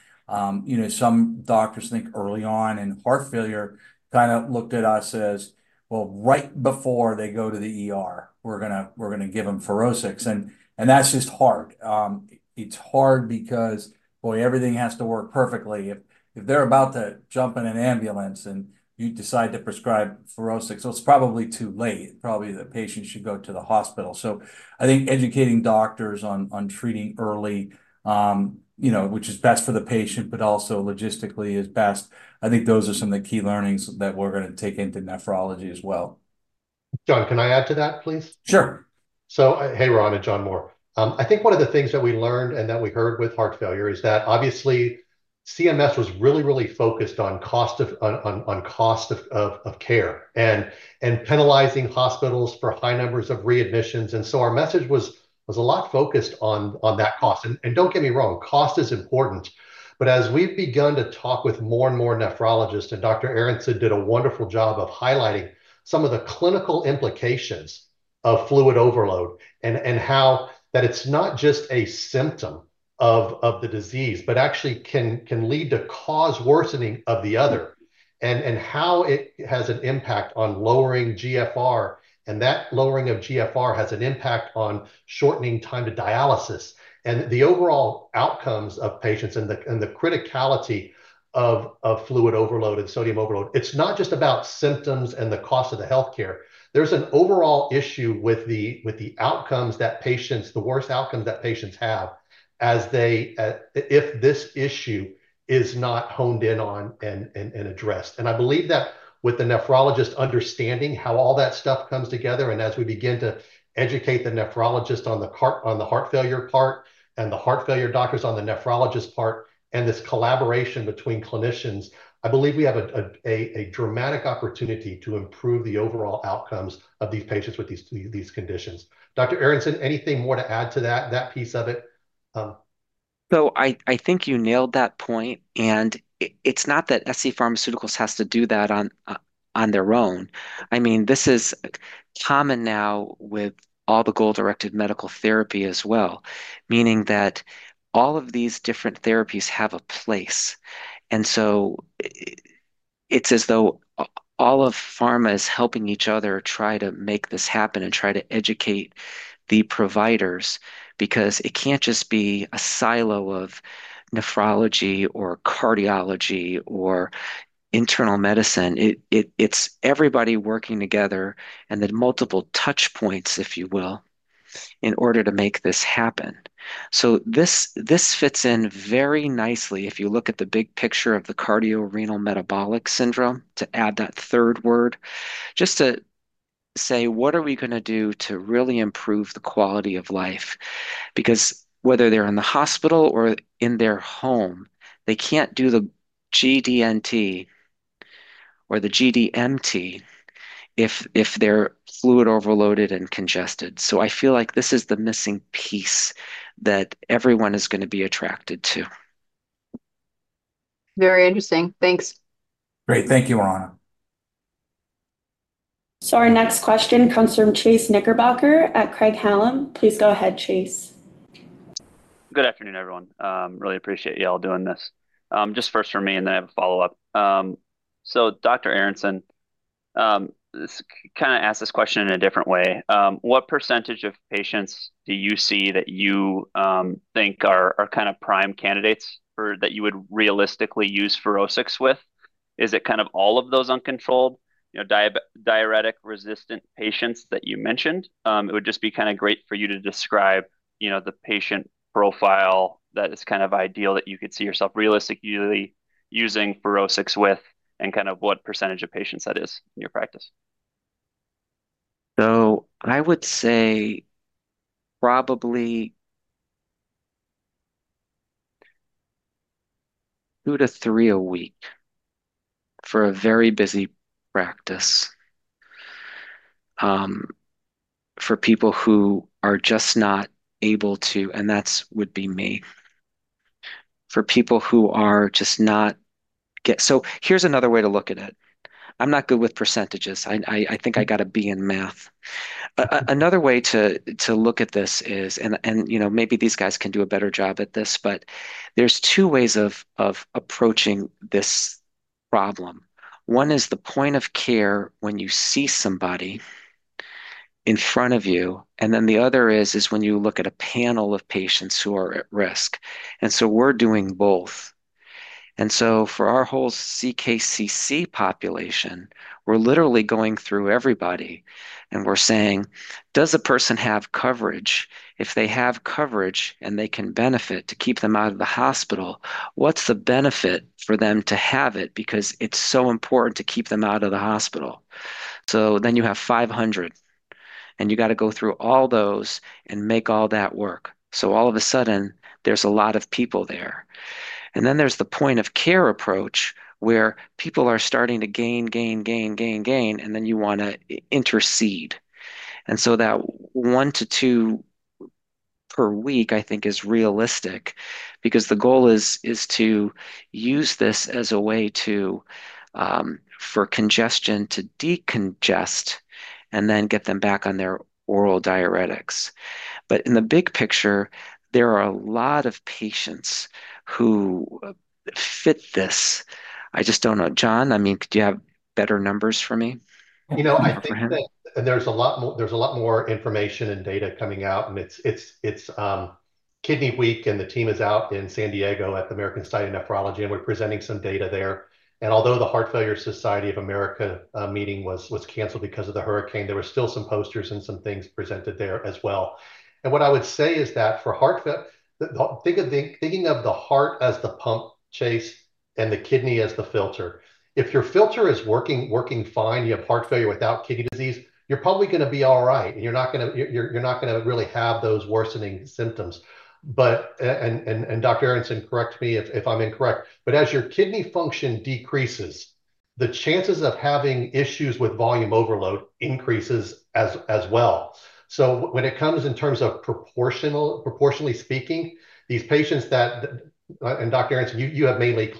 you know, some doctors think early on, and heart failure kind of looked at us as, well, right before they go to the ER, we're gonna give them FUROSCIX. And that's just hard. It's hard because, boy, everything has to work perfectly. If they're about to jump in an ambulance and you decide to prescribe FUROSCIX, so it's probably too late. Probably the patient should go to the hospital. So I think educating doctors on treating early, you know, which is best for the patient, but also logistically is best. I think those are some of the key learnings that we're gonna take into nephrology as well. John, can I add to that, please? Sure. So, hey, Roanna, John Mohr. I think one of the things that we learned and that we heard with heart failure is that obviously, CMS was really focused on cost of care, and penalizing hospitals for high numbers of readmissions. And so our message was a lot focused on that cost. And don't get me wrong, cost is important. But as we've begun to talk with more and more nephrologists, and Dr. Aaronson did a wonderful job of highlighting some of the clinical implications of fluid overload and how that it's not just a symptom of the disease, but actually can lead to cause worsening of the other, and how it has an impact on lowering GFR, and that lowering of GFR has an impact on shortening time to dialysis. The overall outcomes of patients and the criticality of fluid overload and sodium overload, it's not just about symptoms and the cost of the healthcare. There's an overall issue with the outcomes that patients, the worst outcomes that patients have as they, if this issue is not honed in on and addressed. I believe that with the nephrologist understanding how all that stuff comes together, and as we begin to educate the nephrologist on the heart, on the heart failure part, and the heart failure doctors on the nephrologist part, and this collaboration between clinicians, I believe we have a dramatic opportunity to improve the overall outcomes of these patients with these conditions. Dr. Aaronson, anything more to add to that piece of it? So I think you nailed that point, and it's not that scPharmaceuticals has to do that on their own. I mean, this is common now with all the goal-directed medical therapy as well, meaning that all of these different therapies have a place. And so it's as though all of pharma is helping each other try to make this happen and try to educate the providers, because it can't just be a silo of nephrology or cardiology or internal medicine. It's everybody working together, and then multiple touch points, if you will, in order to make this happen. So this fits in very nicely if you look at the big picture of the cardiorenal metabolic syndrome, to add that third word, just to say: What are we gonna do to really improve the quality of life? Because whether they're in the hospital or in their home, they can't do the GDMT or the GDMT if they're fluid overloaded and congested. So I feel like this is the missing piece that everyone is gonna be attracted to. Very interesting. Thanks. Great. Thank you, Roanna. Our next question comes from Chase Knickerbocker at Craig-Hallum. Please go ahead, Chase. Good afternoon, everyone. Really appreciate y'all doing this. Just first from me, and then I have a follow-up. So Dr. Aaronson, let's kind of ask this question in a different way. What percentage of patients do you see that you think are kind of prime candidates for that you would realistically use FUROSCIX with? Is it kind of all of those uncontrolled, you know, diuretic-resistant patients that you mentioned? It would just be kind of great for you to describe, you know, the patient profile that is kind of ideal, that you could see yourself realistically using FUROSCIX with, and kind of what percentage of patients that is in your practice. So I would say probably two to three a week, for a very busy practice, for people who are just not able to. And that would be me. So here's another way to look at it. I'm not good with percentages. I think I got a B in math. Another way to look at this is, and you know, maybe these guys can do a better job at this, but there's two ways of approaching this problem. One is the point of care when you see somebody in front of you, and then the other is when you look at a panel of patients who are at risk, and so we're doing both. For our whole CKCC population, we're literally going through everybody, and we're saying: "Does the person have coverage? If they have coverage and they can benefit to keep them out of the hospital, what's the benefit for them to have it, because it's so important to keep them out of the hospital?" So then you have 500, and you gotta go through all those and make all that work. All of a sudden, there's a lot of people there. And then there's the point of care approach, where people are starting to gain, and then you wanna intercede. That one to two per week, I think, is realistic, because the goal is to use this as a way to for congestion, to decongest and then get them back on their oral diuretics. In the big picture, there are a lot of patients who fit this. I just don't know. John, I mean, do you have better numbers for me offhand? You know, I think that there's a lot more information and data coming out, and it's Kidney Week, and the team is out in San Diego at the American Society of Nephrology, and we're presenting some data there. And although the Heart Failure Society of America meeting was canceled because of the hurricane, there were still some posters and some things presented there as well. And what I would say is that for heart failure, thinking of the heart as the pump, Chase, and the kidney as the filter, if your filter is working fine, you have heart failure without kidney disease, you're probably gonna be all right, and you're not gonna really have those worsening symptoms. Dr. Aaronson, correct me if I'm incorrect, but as your kidney function decreases, the chances of having issues with volume overload increases as well. So when it comes in terms of proportionally speaking, these patients that, Dr. Aaronson, you have mainly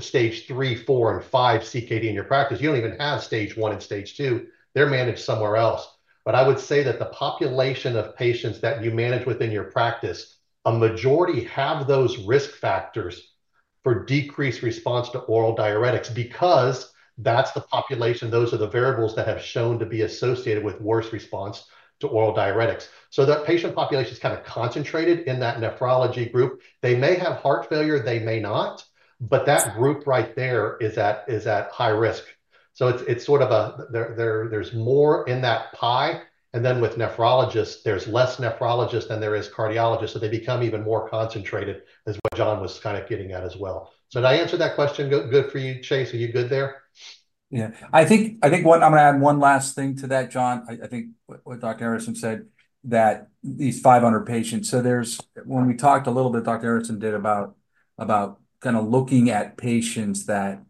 Stage 3, 4, 5 CKD in your practice. You don't even have Stage 1 and Stage 2. They're managed somewhere else. But I would say that the population of patients that you manage within your practice, a majority have those risk factors for decreased response to oral diuretics because that's the population, those are the variables that have shown to be associated with worse response to oral diuretics. So that patient population's kind of concentrated in that nephrology group. They may have heart failure, they may not, but that group right there is at high risk. So it's sort of a there, there's more in that pie, and then with nephrologists, there's less nephrologists than there is cardiologists, so they become even more concentrated, is what John was kind of getting at as well. So did I answer that question good for you, Chase? Are you good there? Yeah, I think what I'm gonna add one last thing to that, John. I think what Dr. Aaronson said, that these 500 patients. So there's when we talked a little bit, Dr. Aaronson did about kind of looking at patients that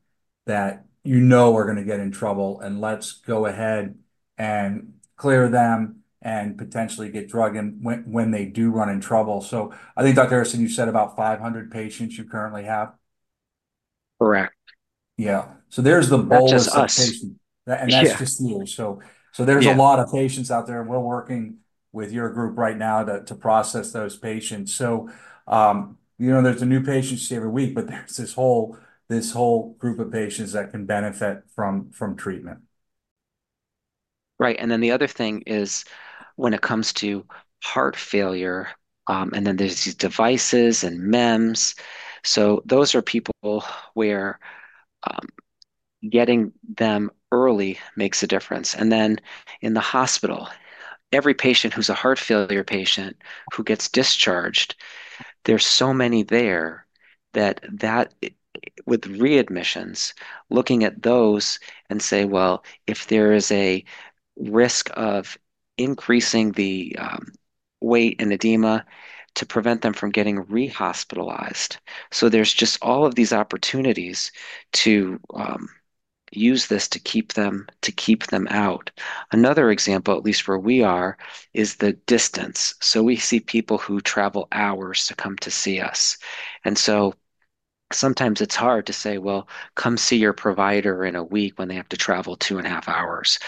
you know are gonna get in trouble, and let's go ahead and clear them and potentially get drug in when they do run in trouble. So I think, Dr. Aaronson, you said about 500 patients you currently have? Correct. Yeah. So there's the bulk of the patients. That's just us. That's just you. Yeah. So, there's a lot of patients out there, and we're working with your group right now to process those patients. So, you know, there's a new patient see every week, but there's this whole group of patients that can benefit from treatment. Right. And then the other thing is, when it comes to heart failure, and then there's these devices and MEMS, so those are people where, getting them early makes a difference. And then in the hospital, every patient who's a heart failure patient who gets discharged, there's so many there that, with readmissions, looking at those and say, "Well, if there is a risk of increasing the weight and edema, to prevent them from getting re-hospitalized." So there's just all of these opportunities to, use this to keep them out. Another example, at least where we are, is the distance. So we see people who travel hours to come to see us, and so sometimes it's hard to say, "Well, come see your provider in a week," when they have to travel two and a half hours.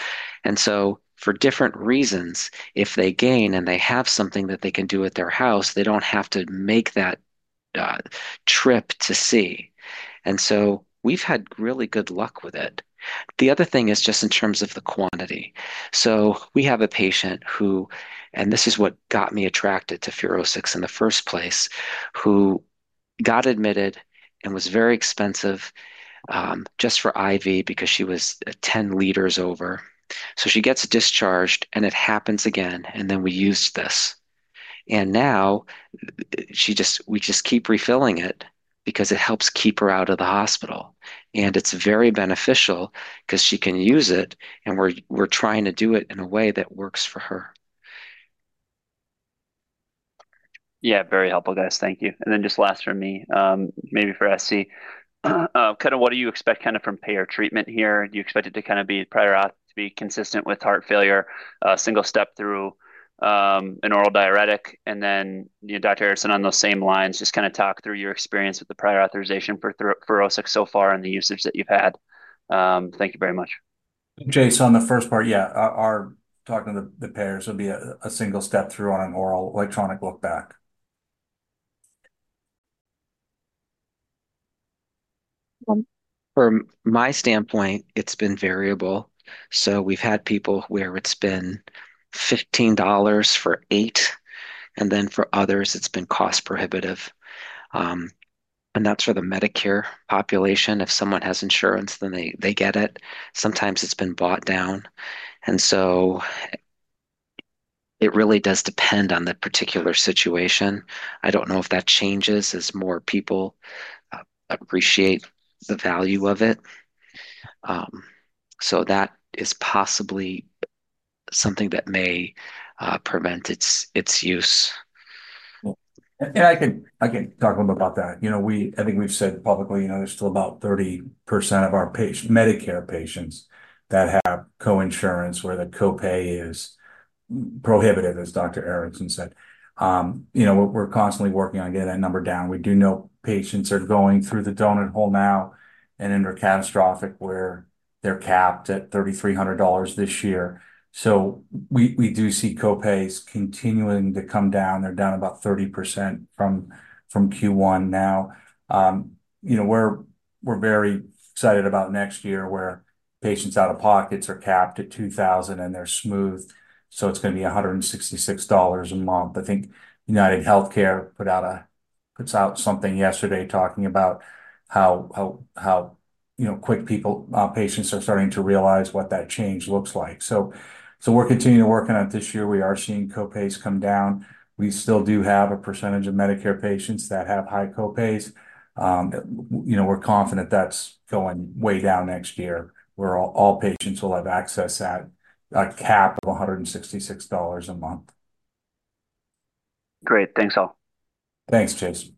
And so for different reasons, if they gain, and they have something that they can do at their house, they don't have to make that trip to see. And so we've had really good luck with it. The other thing is just in terms of the quantity. So we have a patient who, and this is what got me attracted to FUROSCIX in the first place, who got admitted and was very expensive just for IV because she was 10 liters over. So she gets discharged, and it happens again, and then we used this. And now, she just, we just keep refilling it because it helps keep her out of the hospital, and it's very beneficial 'cause she can use it, and we're trying to do it in a way that works for her. Yeah, very helpful, guys. Thank you. And then just last from me, maybe for SC, kind of what do you expect kind of from payer treatment here? Do you expect it to kind of be prior auth, to be consistent with heart failure, a single step through, an oral diuretic? And then, you know, Dr. Aaronson, on those same lines, just kind of talk through your experience with the prior authorization for FUROSCIX so far and the usage that you've had. Thank you very much. Chase, on the first part, yeah, our talking to the payers would be a single step through on an overall electronic look back. From my standpoint, it's been variable. So we've had people where it's been $15 for eight, and then for others, it's been cost-prohibitive. And that's for the Medicare population. If someone has insurance, then they get it. Sometimes it's been bought down, and so it really does depend on the particular situation. I don't know if that changes as more people appreciate the value of it. So that is possibly something that may prevent its use. I can talk a little about that. You know, I think we've said publicly, you know, there's still about 30% of our Medicare patients that have coinsurance, where the co-pay is prohibitive, as Dr. Aaronson said. You know, we're constantly working on getting that number down. We do know patients are going through the donut hole now and into catastrophic, where they're capped at $3,300 this year. So we do see co-pays continuing to come down. They're down about 30% from Q1 now. You know, we're very excited about next year, where patients' out-of-pockets are capped at $2,000, and they're smooth, so it's gonna be $166 a month. I think UnitedHealthcare puts out something yesterday talking about how, you know, quick people, patients are starting to realize what that change looks like. So, we're continuing working on it this year. We are seeing co-pays come down. We still do have a percentage of Medicare patients that have high co-pays. You know, we're confident that's going way down next year, where all patients will have access at a cap of $166 a month. Great. Thanks, all. Thanks, Chase.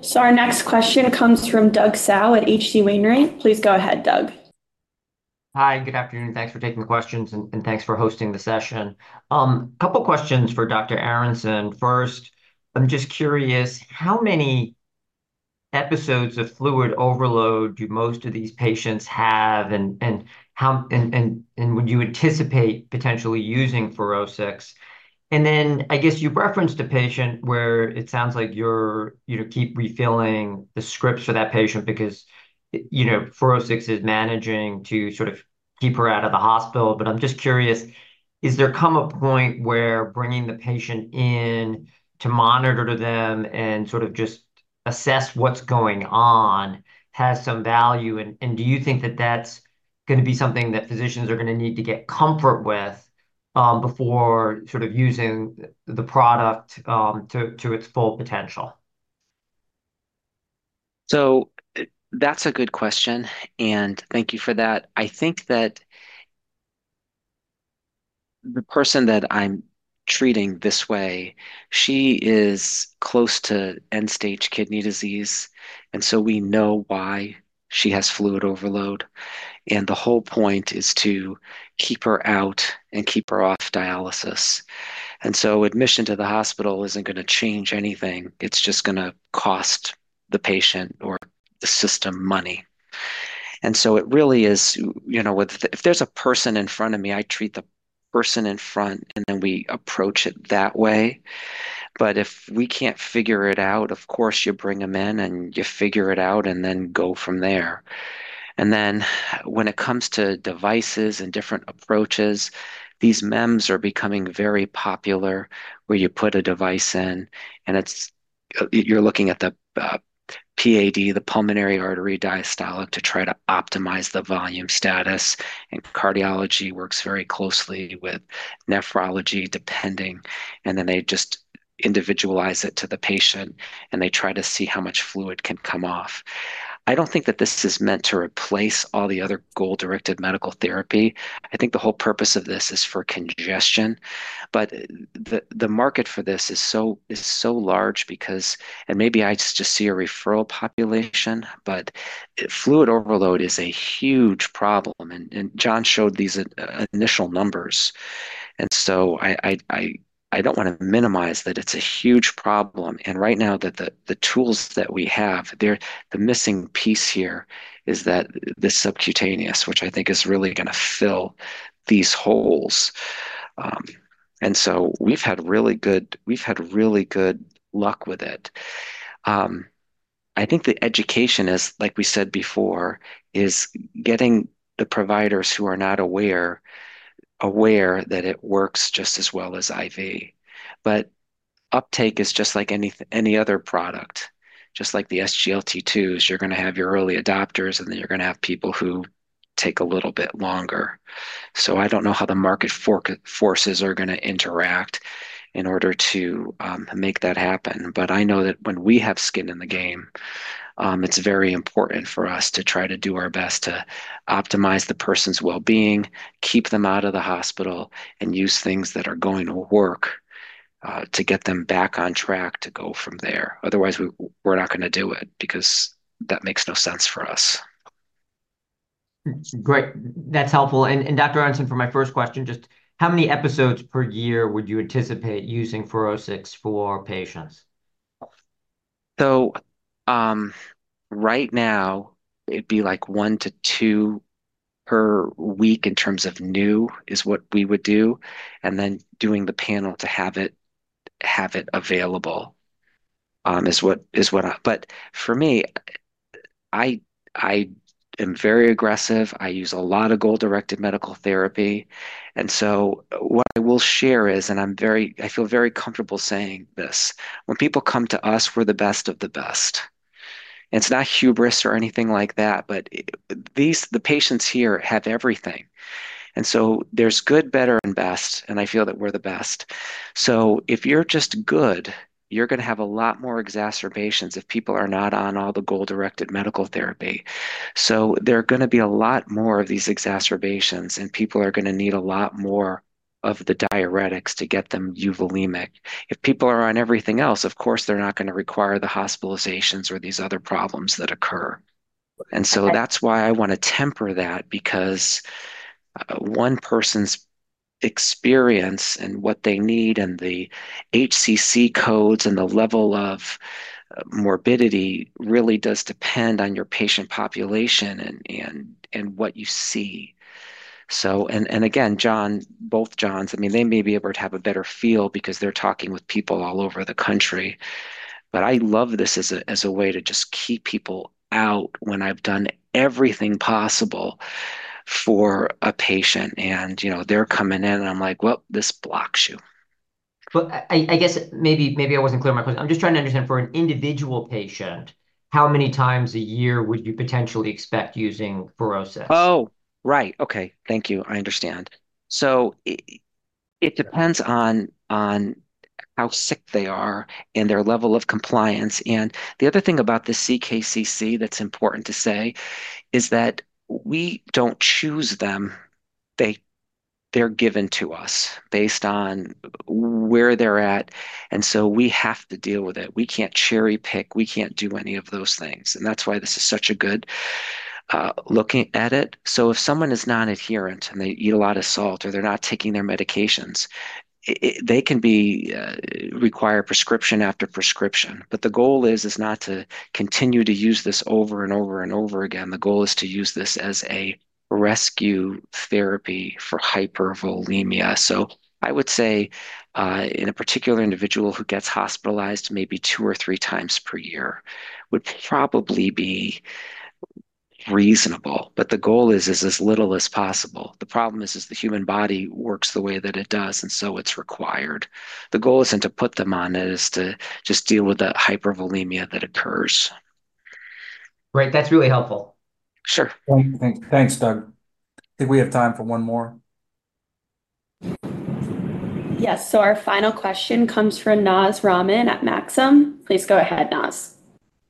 So our next question comes from Doug Tsao at H.C. Wainwright. Please go ahead, Doug. Hi, good afternoon. Thanks for taking the questions, and thanks for hosting the session. A couple questions for Dr. Aaronson. First, I'm just curious, how many episodes of fluid overload do most of these patients have, and how would you anticipate potentially using FUROSCIX? And then I guess you referenced a patient where it sounds like you're, you know, keep refilling the scripts for that patient because, you know, FUROSCIX is managing to sort of keep her out of the hospital. But I'm just curious, is there come a point where bringing the patient in to monitor them and sort of just assess what's going on has some value? And do you think that that's gonna be something that physicians are gonna need to get comfort with, before sort of using the product to its full potential? So that's a good question, and thank you for that. I think that the person that I'm treating this way, she is close to end-stage kidney disease, and so we know why she has fluid overload. And the whole point is to keep her out and keep her off dialysis. And so admission to the hospital isn't gonna change anything. It's just gonna cost the patient or the system money. And so it really is, you know, if there's a person in front of me, I treat the person in front, and then we approach it that way. But if we can't figure it out, of course, you bring them in, and you figure it out, and then go from there. And then when it comes to devices and different approaches, these MEMS are becoming very popular, where you put a device in, and it's you're looking at the PAD, the pulmonary artery diastolic, to try to optimize the volume status. Cardiology works very closely with nephrology, depending, and then they just individualize it to the patient, and they try to see how much fluid can come off. I don't think that this is meant to replace all the other goal-directed medical therapy. I think the whole purpose of this is for congestion, but the market for this is so large because, and maybe I just see a referral population, but fluid overload is a huge problem, and John showed these initial numbers. I don't want to minimize that it's a huge problem, and right now, the tools that we have, they're the missing piece here is that this subcutaneous, which I think is really gonna fill these holes. And so we've had really good luck with it. I think the education is, like we said before, is getting the providers who are not aware aware that it works just as well as IV. But uptake is just like any other product, just like the SGLT2s. You're gonna have your early adopters, and then you're gonna have people who take a little bit longer. I don't know how the market forces are gonna interact in order to make that happen, but I know that when we have skin in the game, it's very important for us to try to do our best to optimize the person's well-being, keep them out of the hospital, and use things that are going to work to get them back on track to go from there. Otherwise, we're not gonna do it because that makes no sense for us. Great. That's helpful. And, Dr. Aaronson, for my first question, just how many episodes per year would you anticipate using FUROSCIX for patients? Right now, it'd be, like, one to two per week in terms of new, is what we would do, and then doing the panel to have it available, is what. For me, I am very aggressive. I use a lot of goal-directed medical therapy, and so what I will share is, and I feel very comfortable saying this: when people come to us, we're the best of the best. It's not hubris or anything like that, but, these, the patients here have everything. And so there's good, better, and best, and I feel that we're the best. So if you're just good, you're gonna have a lot more exacerbations if people are not on all the goal-directed medical therapy. So there are gonna be a lot more of these exacerbations, and people are gonna need a lot more of the diuretics to get them euvolemic. If people are on everything else, of course, they're not gonna require the hospitalizations or these other problems that occur. And so that's why I want to temper that because one person's experience and what they need, and the HCC codes, and the level of morbidity really does depend on your patient population and what you see. So. And again, John, both Johns, I mean, they may be able to have a better feel because they're talking with people all over the country, but I love this as a way to just keep people out when I've done everything possible for a patient. And, you know, they're coming in, and I'm like, "Well, this blocks you." I guess maybe I wasn't clear in my question. I'm just trying to understand, for an individual patient, how many times a year would you potentially expect using FUROSCIX? Oh, right. Okay. Thank you. I understand. So it depends on how sick they are and their level of compliance. And the other thing about the CKCC that's important to say is that we don't choose them. They're given to us based on where they're at, and so we have to deal with it. We can't cherry-pick. We can't do any of those things, and that's why this is such a good looking at it. So if someone is non-adherent and they eat a lot of salt, or they're not taking their medications, they can require prescription after prescription. But the goal is not to continue to use this over and over and over again. The goal is to use this as a rescue therapy for hypervolemia. So I would say, in a particular individual who gets hospitalized maybe two or three times per year, would probably be reasonable, but the goal is as little as possible. The problem is the human body works the way that it does, and so it's required. The goal isn't to put them on it, it's to just deal with the hypervolemia that occurs. Great. That's really helpful. Sure. Thanks, Doug. I think we have time for one more. Yes, so our final question comes from Naz Rahman at Maxim Group. Please go ahead, Naz.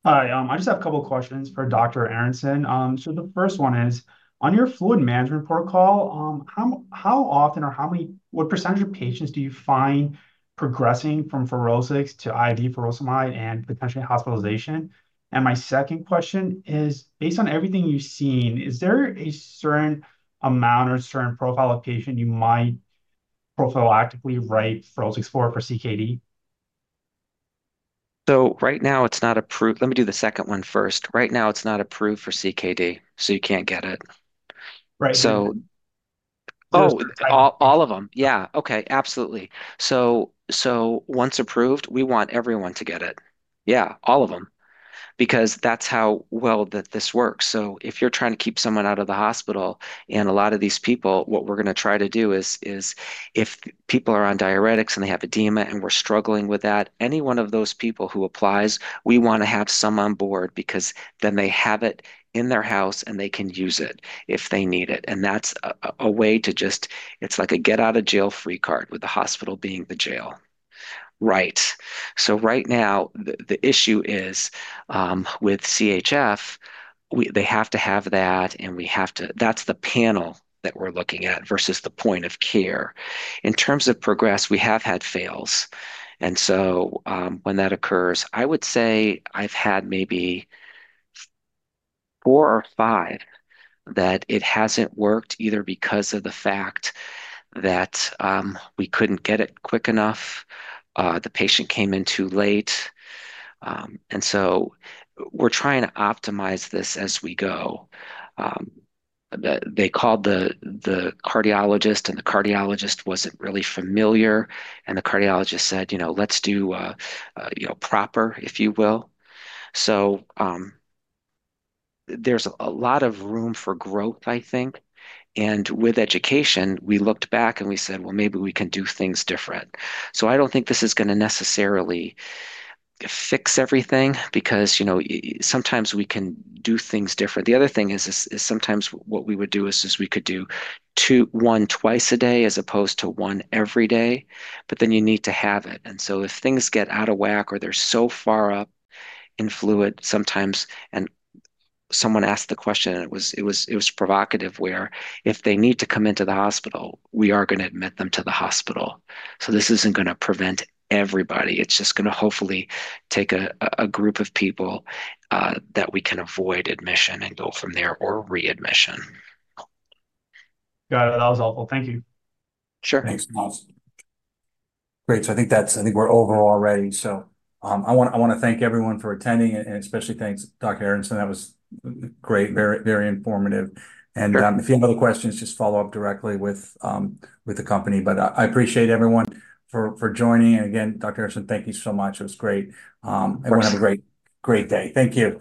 Hi, I just have a couple questions for Dr. Aaronson. So the first one is, on your fluid management protocol, how often or how many, what percentage of patients do you find progressing from FUROSCIX to IV furosemide, and potentially hospitalization? And my second question is, based on everything you've seen, is there a certain amount or certain profile of patient you might prophylactically write FUROSCIX for, for CKD? Right now it's not approved. Let me do the second one first. Right now, it's not approved for CKD, so you can't get it. Right. Oh, all of them. Yeah. Okay, absolutely. So once approved, we want everyone to get it. Yeah, all of them, because that's how well that this works. So if you're trying to keep someone out of the hospital, and a lot of these people, what we're gonna try to do is if people are on diuretics, and they have edema, and we're struggling with that, any one of those people who applies, we wanna have some on board, because then they have it in their house, and they can use it if they need it, and that's a way to just, it's like a get out of jail free card, with the hospital being the jail. Right. So right now, the issue is with CHF, they have to have that, and we have to. That's the panel that we're looking at versus the point of care. In terms of progress, we have had fails, and so when that occurs, I would say I've had maybe four or five that it hasn't worked, either because of the fact that we couldn't get it quick enough, the patient came in too late. They called the cardiologist, and the cardiologist wasn't really familiar, and the cardiologist said, "You know, let's do, you know, proper," if you will. So, there's a lot of room for growth, I think, and with education, we looked back and we said, "Well, maybe we can do things different." So I don't think this is gonna necessarily fix everything, because, you know, sometimes we can do things different. The other thing is, sometimes what we would do is, we could do two, one twice a day, as opposed to one every day, but then you need to have it. And so if things get out of whack, or they're so far up in fluid sometimes, and someone asked the question, and it was provocative, where if they need to come into the hospital, we are gonna admit them to the hospital. So this isn't gonna prevent everybody. It's just gonna hopefully take a group of people that we can avoid admission and go from there, or readmission. Got it. That was helpful. Thank you. Sure. Thanks, Naz. Great, so I think we're over already. So, I wanna thank everyone for attending, and especially thanks, Dr. Aaronson. That was great, very, very informative. Yeah. If you have other questions, just follow up directly with the company. But I appreciate everyone for joining. Again, Dr. Aaronson, thank you so much. It was great. Of course. Everyone have a great, great day. Thank you.